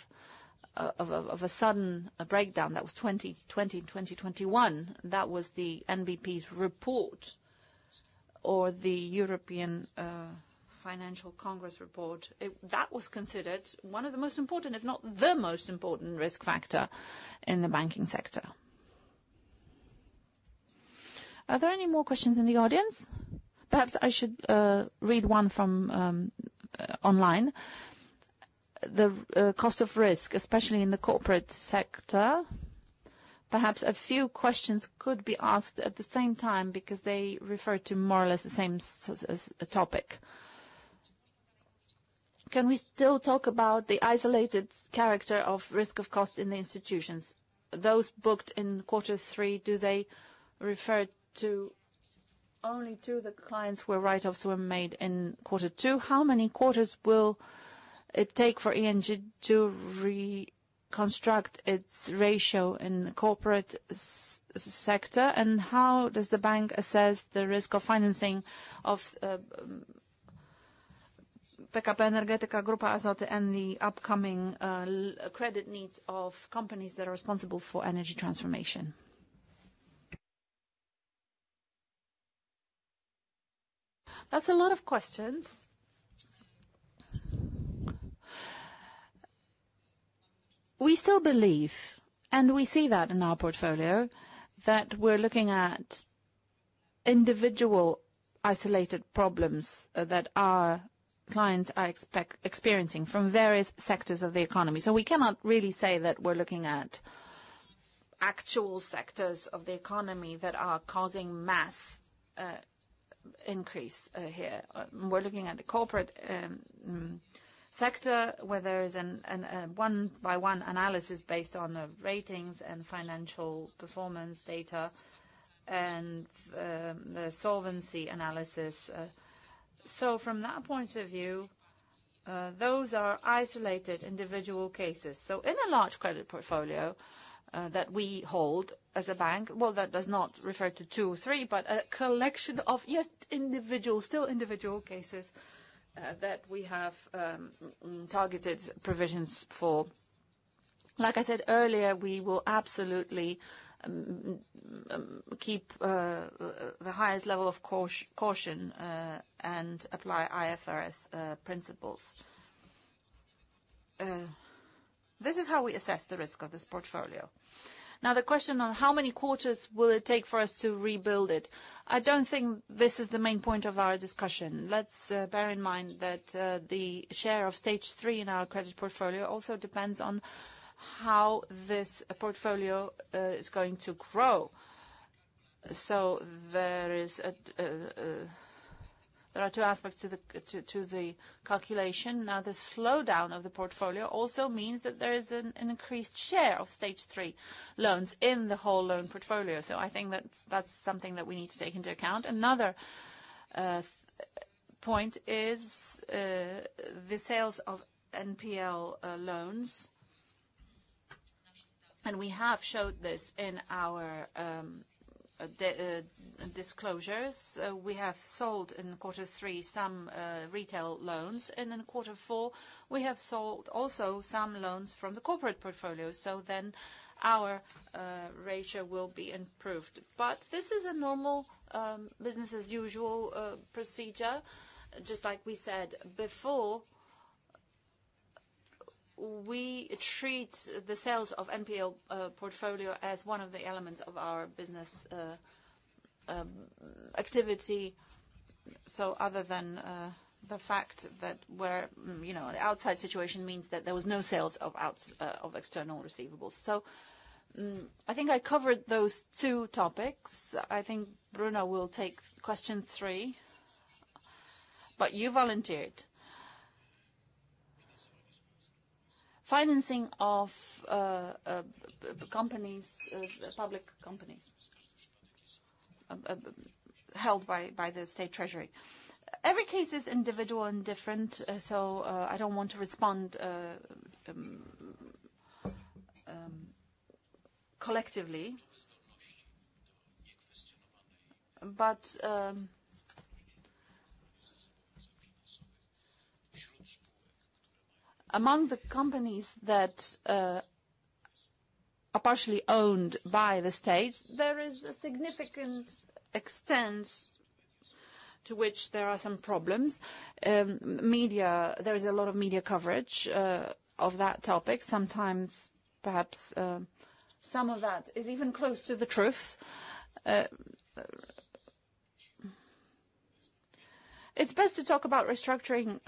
a sudden breakdown. That was 2020, 2021. That was the NBP's report or the European Financial Congress report. That was considered one of the most important, if not the most important risk factor in the banking sector. Are there any more questions in the audience? Perhaps I should read one from online. The cost of risk, especially in the corporate sector. Perhaps a few questions could be asked at the same time because they refer to more or less the same topic. Can we still talk about the isolated character of risk of cost in the institutions? Those booked in quarter three, do they refer only to the clients where write-offs were made in quarter two? How many quarters will it take for ING to reconstruct its ratio in the corporate sector? And how does the bank assess the risk of financing of PKP Energetyka, Grupa Azoty and the upcoming credit needs of companies that are responsible for energy transformation? That's a lot of questions. We still believe, and we see that in our portfolio, that we're looking at individual isolated problems that our clients are experiencing from various sectors of the economy. So we cannot really say that we're looking at actual sectors of the economy that are causing mass increase here. We're looking at the corporate sector where there is a one-by-one analysis based on the ratings and financial performance data and the solvency analysis. So from that point of view, those are isolated individual cases. So in a large credit portfolio that we hold as a bank, well, that does not refer to two or three, but a collection of still individual cases that we have targeted provisions for. Like I said earlier, we will absolutely keep the highest level of caution and apply IFRS principles. This is how we assess the risk of this portfolio. Now, the question of how many quarters will it take for us to rebuild it? I don't think this is the main point of our discussion. Let's bear in mind that the share of Stage 3 in our credit portfolio also depends on how this portfolio is going to grow. So there are two aspects to the calculation. Now, the slowdown of the portfolio also means that there is an increased share of Stage 3 loans in the whole loan portfolio. So I think that's something that we need to take into account. Another point is the sales of NPL loans. And we have showed this in our disclosures. We have sold in quarter three some retail loans. And in quarter four, we have sold also some loans from the corporate portfolio. So then our ratio will be improved. But this is a normal business-as-usual procedure, just like we said before. We treat the sales of NPL portfolio as one of the elements of our business activity. So other than the fact that the outside situation means that there were no sales of external receivables. So I think I covered those two topics. I think Brunon will take question three, But you volunteered. Financing of companies, public companies held by the State Treasury. Every case is individual and different, so I don't want to respond collectively. But among the companies that are partially owned by the states, there is a significant extent to which there are some problems. There is a lot of media coverage of that topic. Sometimes, perhaps some of that is even close to the truth. It's best to talk about restructuring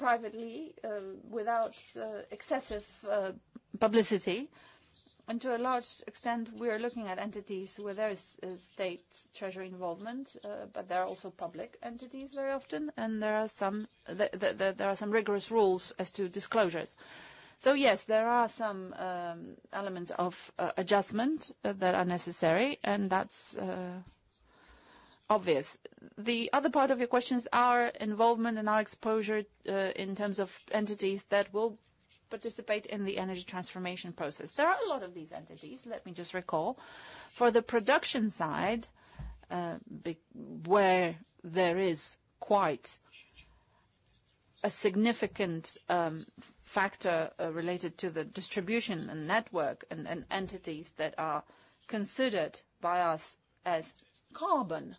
privately without excessive publicity. And to a large extent, we are looking at entities where there is State Treasury involvement, but there are also public entities very often, and there are some rigorous rules as to disclosures. So yes, there are some elements of adjustment that are necessary, and that's obvious. The other part of your questions are involvement and our exposure in terms of entities that will participate in the energy transformation process. There are a lot of these entities, let me just recall. For the production side, where there is quite a significant factor related to the distribution and network and entities that are considered by us as carbon entities,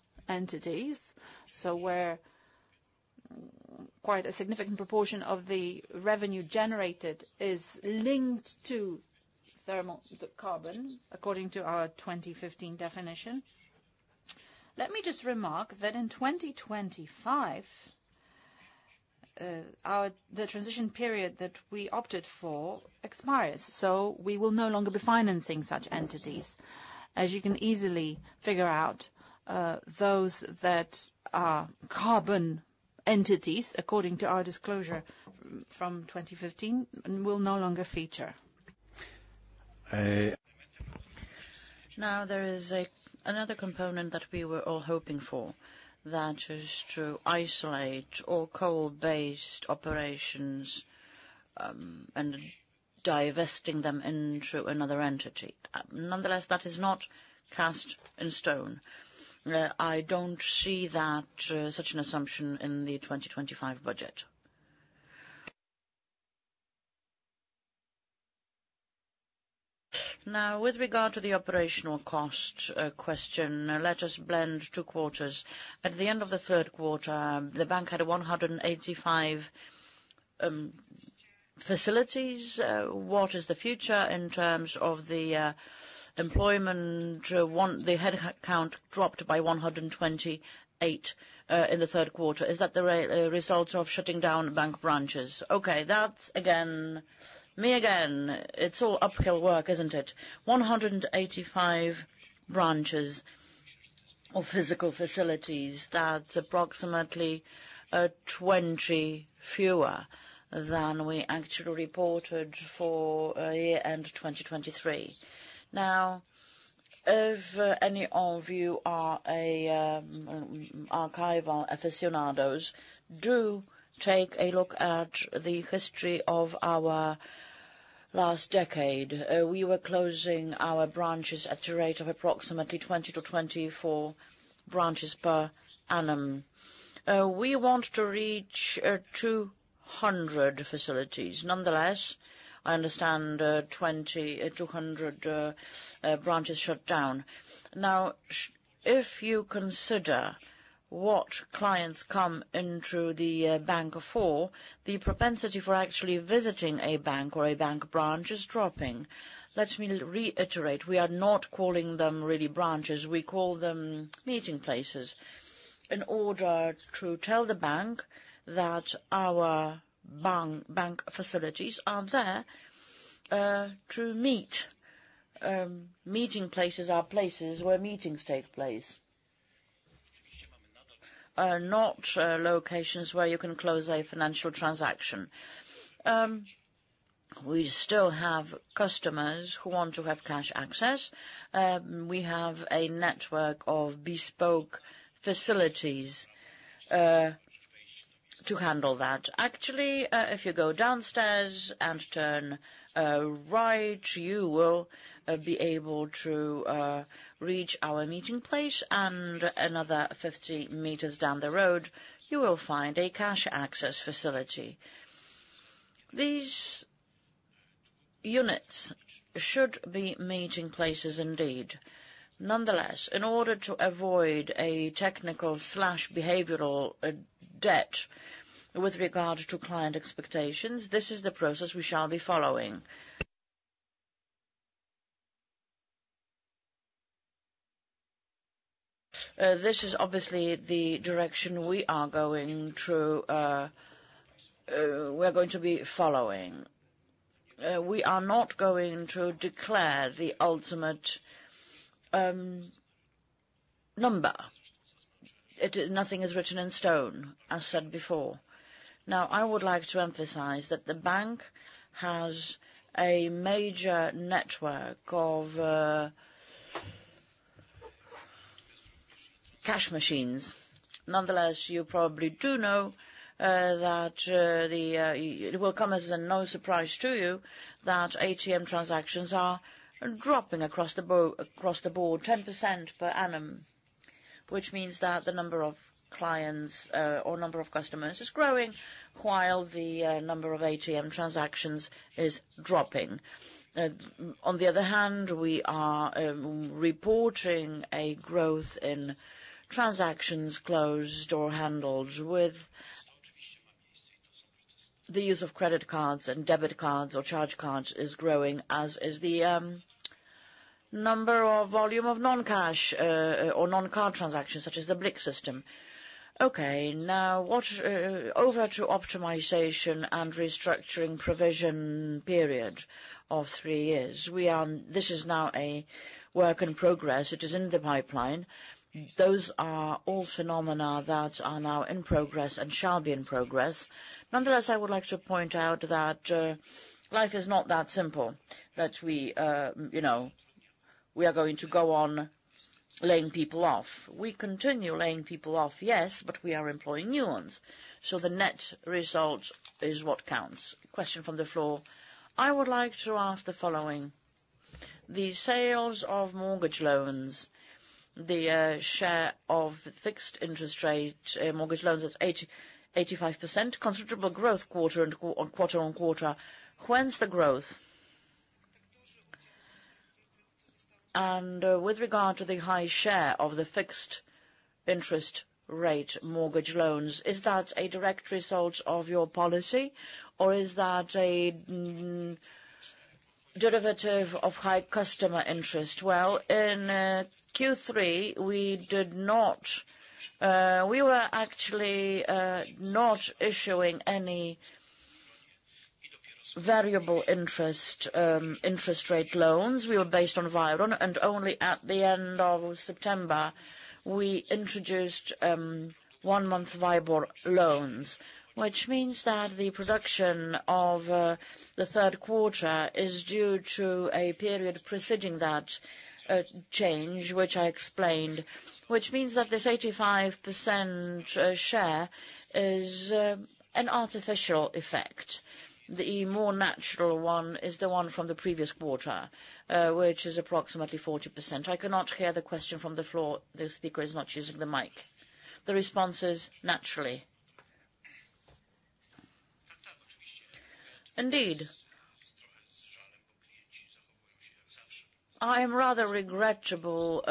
so where quite a significant proportion of the revenue generated is linked to carbon according to our 2015 definition. Let me just remark that in 2025, the transition period that we opted for expires, so we will no longer be financing such entities. As you can easily figure out, those that are carbon entities, according to our disclosure from 2015, will no longer feature. Now, there is another component that we were all hoping for, that is to isolate all coal-based operations and divesting them into another entity. Nonetheless, that is not cast in stone. I don't see such an assumption in the 2025 budget. Now, with regard to the operational cost question, let us blend two quarters. At the end of the third quarter, the bank had 185 facilities. What is the future in terms of the employment? The headcount dropped by 128 in the third quarter. Is that the result of shutting down bank branches? Okay, that's again me again. It's all uphill work, isn't it? 185 branches of physical facilities, that's approximately 20 fewer than we actually reported for year-end 2023. Now, if any of you are archival aficionados, do take a look at the history of our last decade. We were closing our branches at a rate of approximately 20 to 24 branches per annum. We want to reach 200 facilities. Nonetheless, I understand 200 branches shut down. Now, if you consider what clients come into the bank for, the propensity for actually visiting a bank or a bank branch is dropping. Let me reiterate. We are not calling them really branches. We call them meeting places in order to tell the bank that our bank facilities are there to meet. Meeting places are places where meetings take place, not locations where you can close a financial transaction. We still have customers who want to have cash access. We have a network of bespoke facilities to handle that. Actually, if you go downstairs and turn right, you will be able to reach our meeting place, and another 50 meters down the road, you will find a cash access facility. These units should be meeting places indeed. Nonetheless, in order to avoid a technical or behavioral debt with regard to client expectations, this is the process we shall be following. This is obviously the direction we are going to be following. We are not going to declare the ultimate number. Nothing is written in stone, as said before. Now, I would like to emphasize that the bank has a major network of cash machines. Nonetheless, you probably do know that it will come as no surprise to you that ATM transactions are dropping across the board 10% per annum, which means that the number of clients or number of customers is growing while the number of ATM transactions is dropping. On the other hand, we are reporting a growth in transactions closed or handled with the use of credit cards and debit cards or charge cards, is growing, as is the number or volume of non-cash or non-card transactions such as the BLIK system. Okay, now over to optimization and restructuring provision period of three years. This is now a work in progress. It is in the pipeline. Those are all phenomena that are now in progress and shall be in progress. Nonetheless, I would like to point out that life is not that simple, that we are going to go on laying people off. We continue laying people off, yes, but we are employing new ones. So the net result is what counts. Question from the floor. I would like to ask the following: the sales of mortgage loans, the share of fixed interest rate mortgage loans at 85%, considerable growth quarter on quarter on quarter. When's the growth? And with regard to the high share of the fixed interest rate mortgage loans, is that a direct result of your policy, or is that a derivative of high customer interest? Well, in Q3, we were actually not issuing any variable interest rate loans. We were based on WIBOR, and only at the end of September, we introduced one-month WIBOR loans, which means that the production of the third quarter is due to a period preceding that change, which I explained, which means that this 85% share is an artificial effect. The more natural one is the one from the previous quarter, which is approximately 40%. I cannot hear the question from the floor. Indeed. I am rather regretful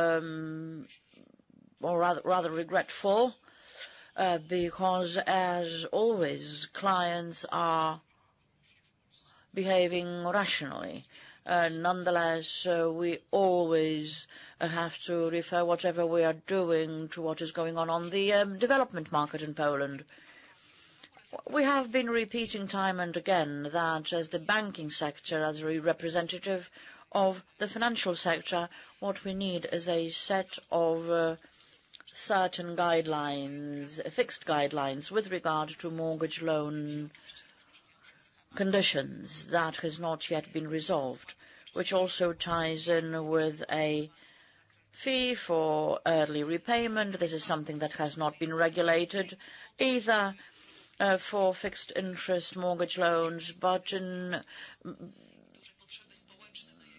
because, as always, clients are behaving rationally. Nonetheless, we always have to refer whatever we are doing to what is going on on the development market in Poland. We have been repeating time and again that as the banking sector, as a representative of the financial sector, what we need is a set of certain fixed guidelines with regard to mortgage loan conditions that has not yet been resolved, which also ties in with a fee for early repayment. This is something that has not been regulated either for fixed interest mortgage loans, but in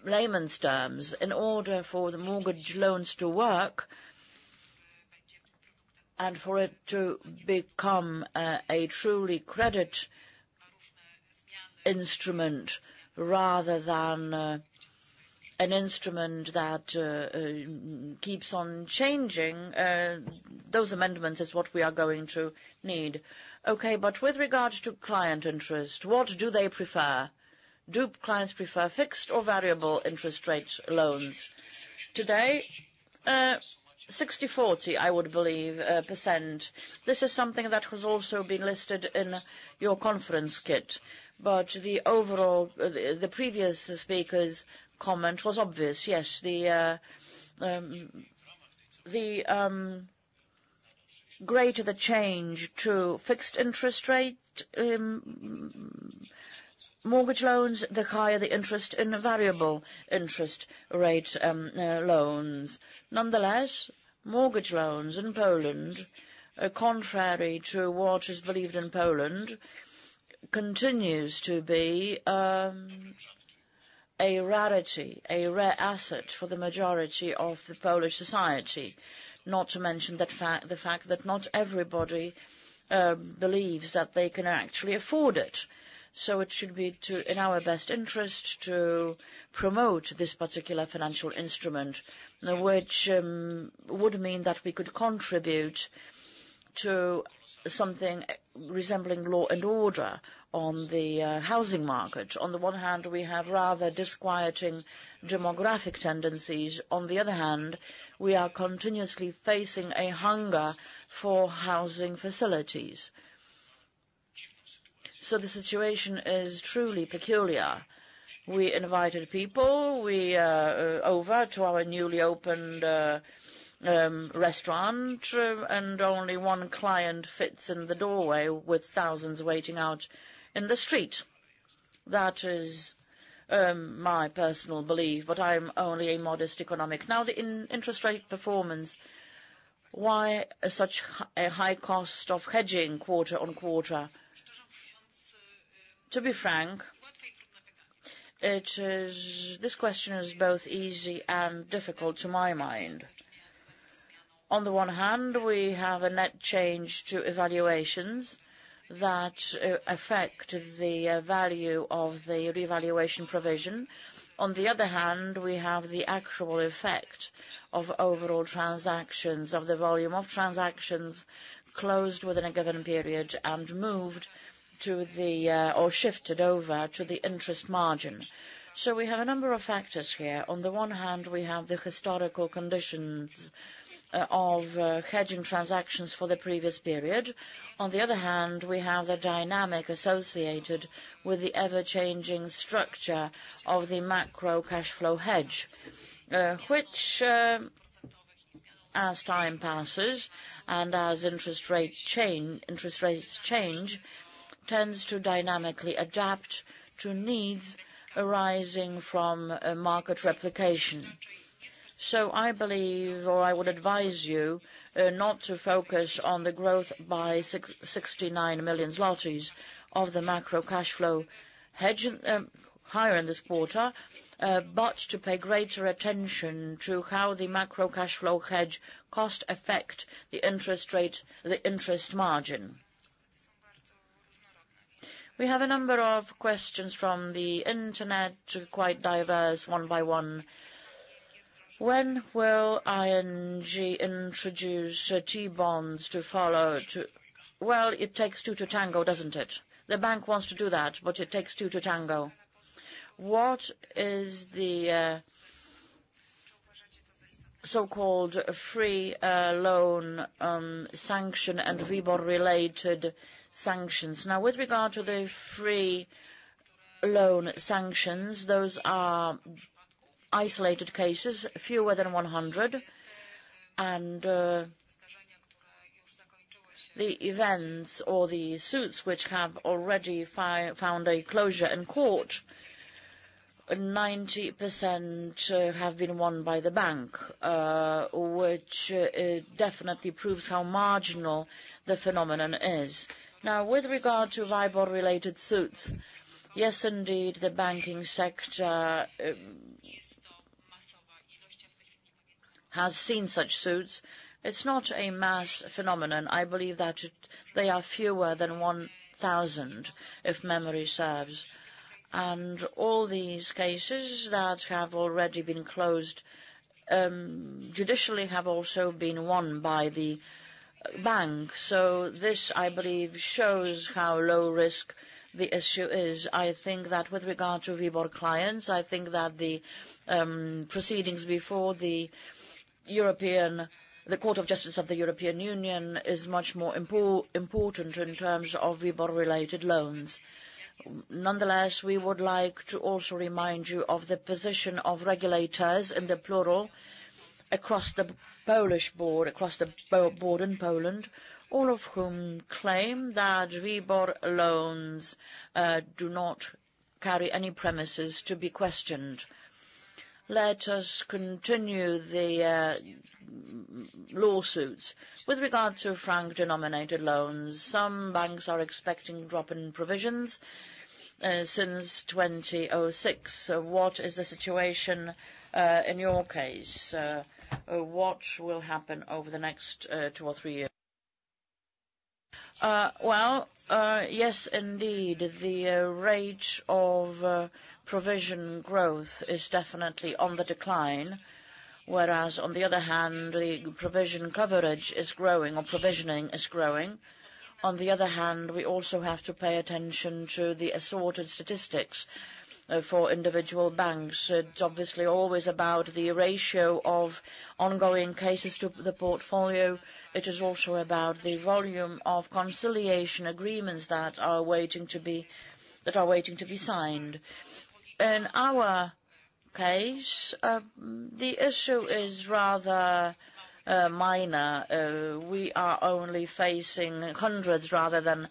layman's terms, in order for the mortgage loans to work and for it to become a truly credit instrument rather than an instrument that keeps on changing, those amendments is what we are going to need. Okay, but with regard to client interest, what do they prefer? Do clients prefer fixed or variable interest rate loans? Today, 60%-40%, I would believe. This is something that has also been listed in your conference kit, but the previous speaker's comment was obvious. Yes, the greater the change to fixed interest rate mortgage loans, the higher the interest in variable interest rate loans. Nonetheless, mortgage loans in Poland, contrary to what is believed in Poland, continues to be a rarity, a rare asset for the majority of the Polish society, not to mention the fact that not everybody believes that they can actually afford it. So it should be in our best interest to promote this particular financial instrument, which would mean that we could contribute to something resembling law and order on the housing market. On the one hand, we have rather disquieting demographic tendencies. On the other hand, we are continuously facing a hunger for housing facilities. So the situation is truly peculiar. We invited people over to our newly opened restaurant, and only one client fits in the doorway with thousands waiting out in the street. That is my personal belief, but I am only a modest economist. Now, the interest rate performance, why such a high cost of hedging quarter-on-quarter? To be frank, this question is both easy and difficult to my mind. On the one hand, we have a net change to evaluations that affect the value of the revaluation provision. On the other hand, we have the actual effect of overall transactions, of the volume of transactions closed within a given period and moved to the or shifted over to the interest margin. So we have a number of factors here. On the one hand, we have the historical conditions of hedging transactions for the previous period. On the other hand, we have the dynamic associated with the ever-changing structure of the macro cash flow hedge, which, as time passes and as interest rates change, tends to dynamically adapt to needs arising from market replication. So I believe, or I would advise you, not to focus on the growth by 69 million zlotys of the macro cash flow hedge higher in this quarter, but to pay greater attention to how the macro cash flow hedge costs affect the interest margin. We have a number of questions from the internet, quite diverse, one by one. When will ING introduce T-bonds to follow? Well, it takes two to tango, doesn't it? The bank wants to do that, but it takes two to tango. What is the so-called free loan sanction and WIBOR-related sanctions? Now, with regard to the franc loan sanctions, those are isolated cases, fewer than 100, and the events or the suits which have already found a closure in court, 90% have been won by the bank, which definitely proves how marginal the phenomenon is. Now, with regard to WIBOR-related suits, yes, indeed, the banking sector has seen such suits. It's not a mass phenomenon. I believe that they are fewer than 1,000, if memory serves. And all these cases that have already been closed judicially have also been won by the bank. So this, I believe, shows how low risk the issue is. I think that with regard to WIBOR clients, I think that the proceedings before the Court of Justice of the European Union is much more important in terms of WIBOR-related loans. Nonetheless, we would like to also remind you of the position of regulators in the plural across the Polish board, across the board in Poland, all of whom claim that WIBOR loans do not carry any premises to be questioned. Let us continue the lawsuits. With regard to franc-denominated loans, some banks are expecting drop in provisions since 2006. What is the situation in your case? What will happen over the next two or three years? Yes, indeed, the rate of provision growth is definitely on the decline, whereas on the other hand, the provision coverage is growing or provisioning is growing. On the other hand, we also have to pay attention to the assorted statistics for individual banks. It's obviously always about the ratio of ongoing cases to the portfolio. It is also about the volume of conciliation agreements that are waiting to be signed. In our case, the issue is rather minor. We are only facing hundreds rather than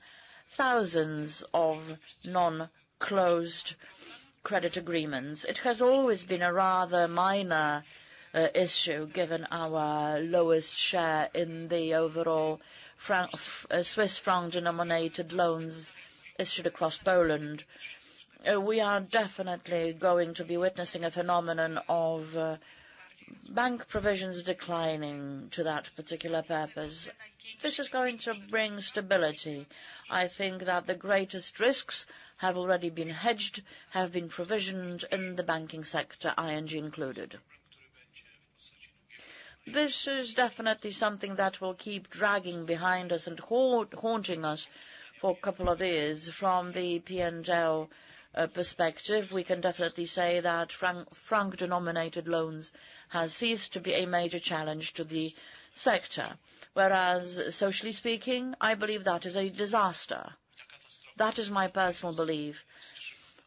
thousands of non-closed credit agreements. It has always been a rather minor issue given our lowest share in the overall Swiss franc denominated loans issued across Poland. We are definitely going to be witnessing a phenomenon of bank provisions declining to that particular purpose. This is going to bring stability. I think that the greatest risks have already been hedged, have been provisioned in the banking sector, ING included. This is definitely something that will keep dragging behind us and haunting us for a couple of years. From the P&L perspective, we can definitely say that franc-denominated loans have ceased to be a major challenge to the sector, whereas socially speaking, I believe that is a disaster. That is my personal belief.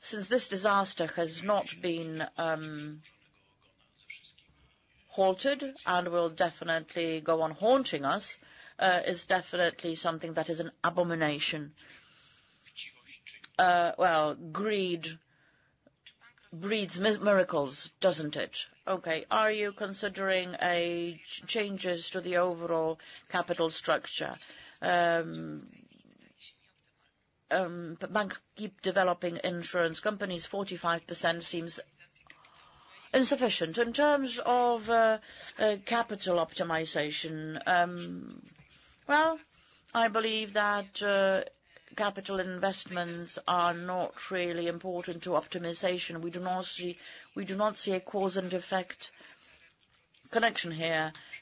Since this disaster has not been halted and will definitely go on haunting us, it is definitely something that is an abomination. Well, greed breeds miracles, doesn't it? Okay, are you considering changes to the overall capital structure? Banks keep developing insurance companies. 45% seems insufficient. In terms of capital optimization, well, I believe that capital investments are not really important to optimization. We do not see a cause and effect connection here.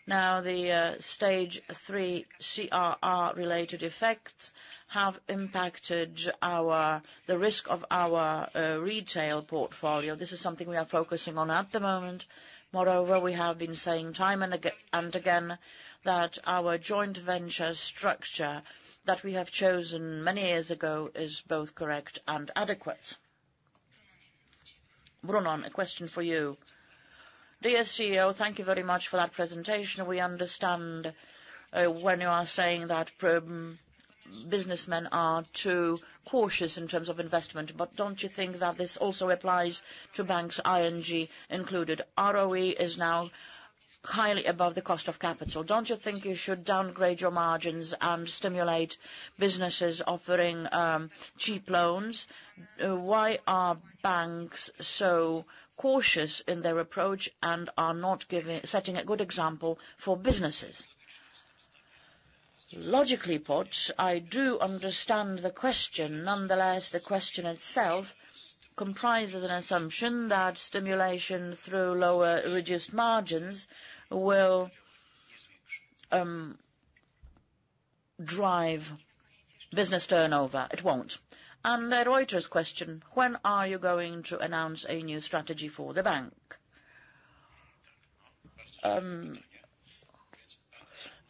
Now, the Stage 3 CRR-related effects have impacted the risk of our retail portfolio. This is something we are focusing on at the moment. Moreover, we have been saying time and again that our joint venture structure that we have chosen many years ago is both correct and adequate. Bruno, a question for you. Dear CEO, thank you very much for that presentation. We understand when you are saying that businessmen are too cautious in terms of investment, but don't you think that this also applies to banks, ING included? ROE is now highly above the cost of capital. Don't you think you should downgrade your margins and stimulate businesses offering cheap loans? Why are banks so cautious in their approach and are not setting a good example for businesses? Logically put, I do understand the question. Nonetheless, the question itself comprises an assumption that stimulation through lower reduced margins will drive business turnover. It won't. And Reuters' question, when are you going to announce a new strategy for the bank?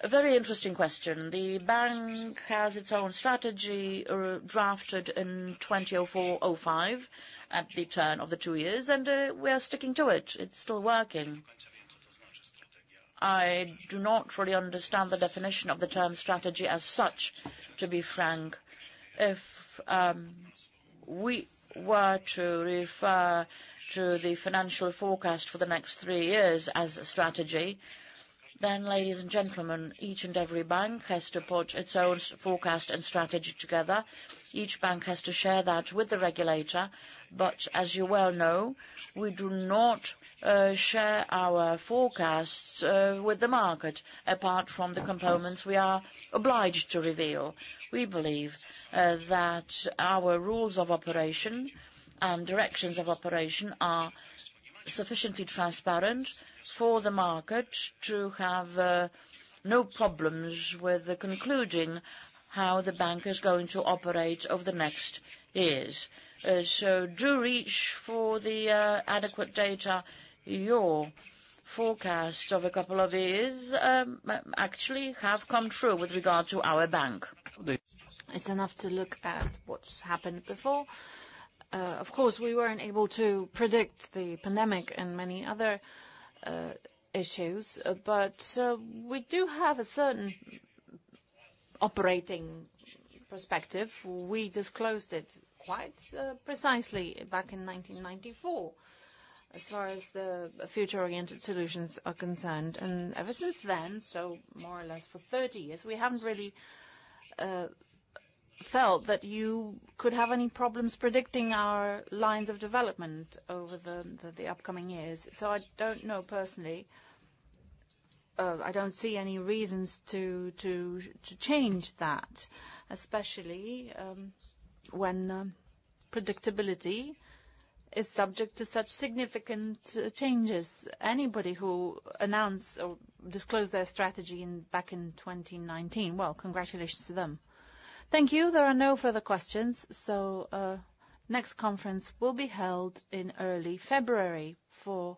Very interesting question. The bank has its own strategy drafted in 2004-2005 at the turn of the two years, and we are sticking to it. It's still working. I do not really understand the definition of the term strategy as such, to be frank. If we were to refer to the financial forecast for the next three years as a strategy, then, ladies and gentlemen, each and every bank has to put its own forecast and strategy together. Each bank has to share that with the regulator, but as you well know, we do not share our forecasts with the market apart from the components we are obliged to reveal. We believe that our rules of operation and directions of operation are sufficiently transparent for the market to have no problems with concluding how the bank is going to operate over the next years. So do reach for the adequate data. Your forecasts of a couple of years actually have come true with regard to our bank. It's enough to look at what's happened before. Of course, we weren't able to predict the pandemic and many other issues, but we do have a certain operating perspective. We disclosed it quite precisely back in 1994 as far as the future-oriented solutions are concerned, and ever since then, so more or less for 30 years, we haven't really felt that you could have any problems predicting our lines of development over the upcoming years, so I don't know personally, I don't see any reasons to change that, especially when predictability is subject to such significant changes. Anybody who announced or disclosed their strategy back in 2019, well, congratulations to them. Thank you. There are no further questions, so next conference will be held in early February for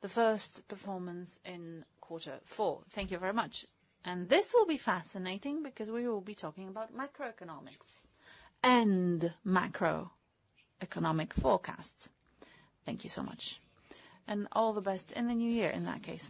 the first performance in quarter four. Thank you very much, and this will be fascinating because we will be talking about macroeconomics and macroeconomic forecasts. Thank you so much. All the best in the new year in that case.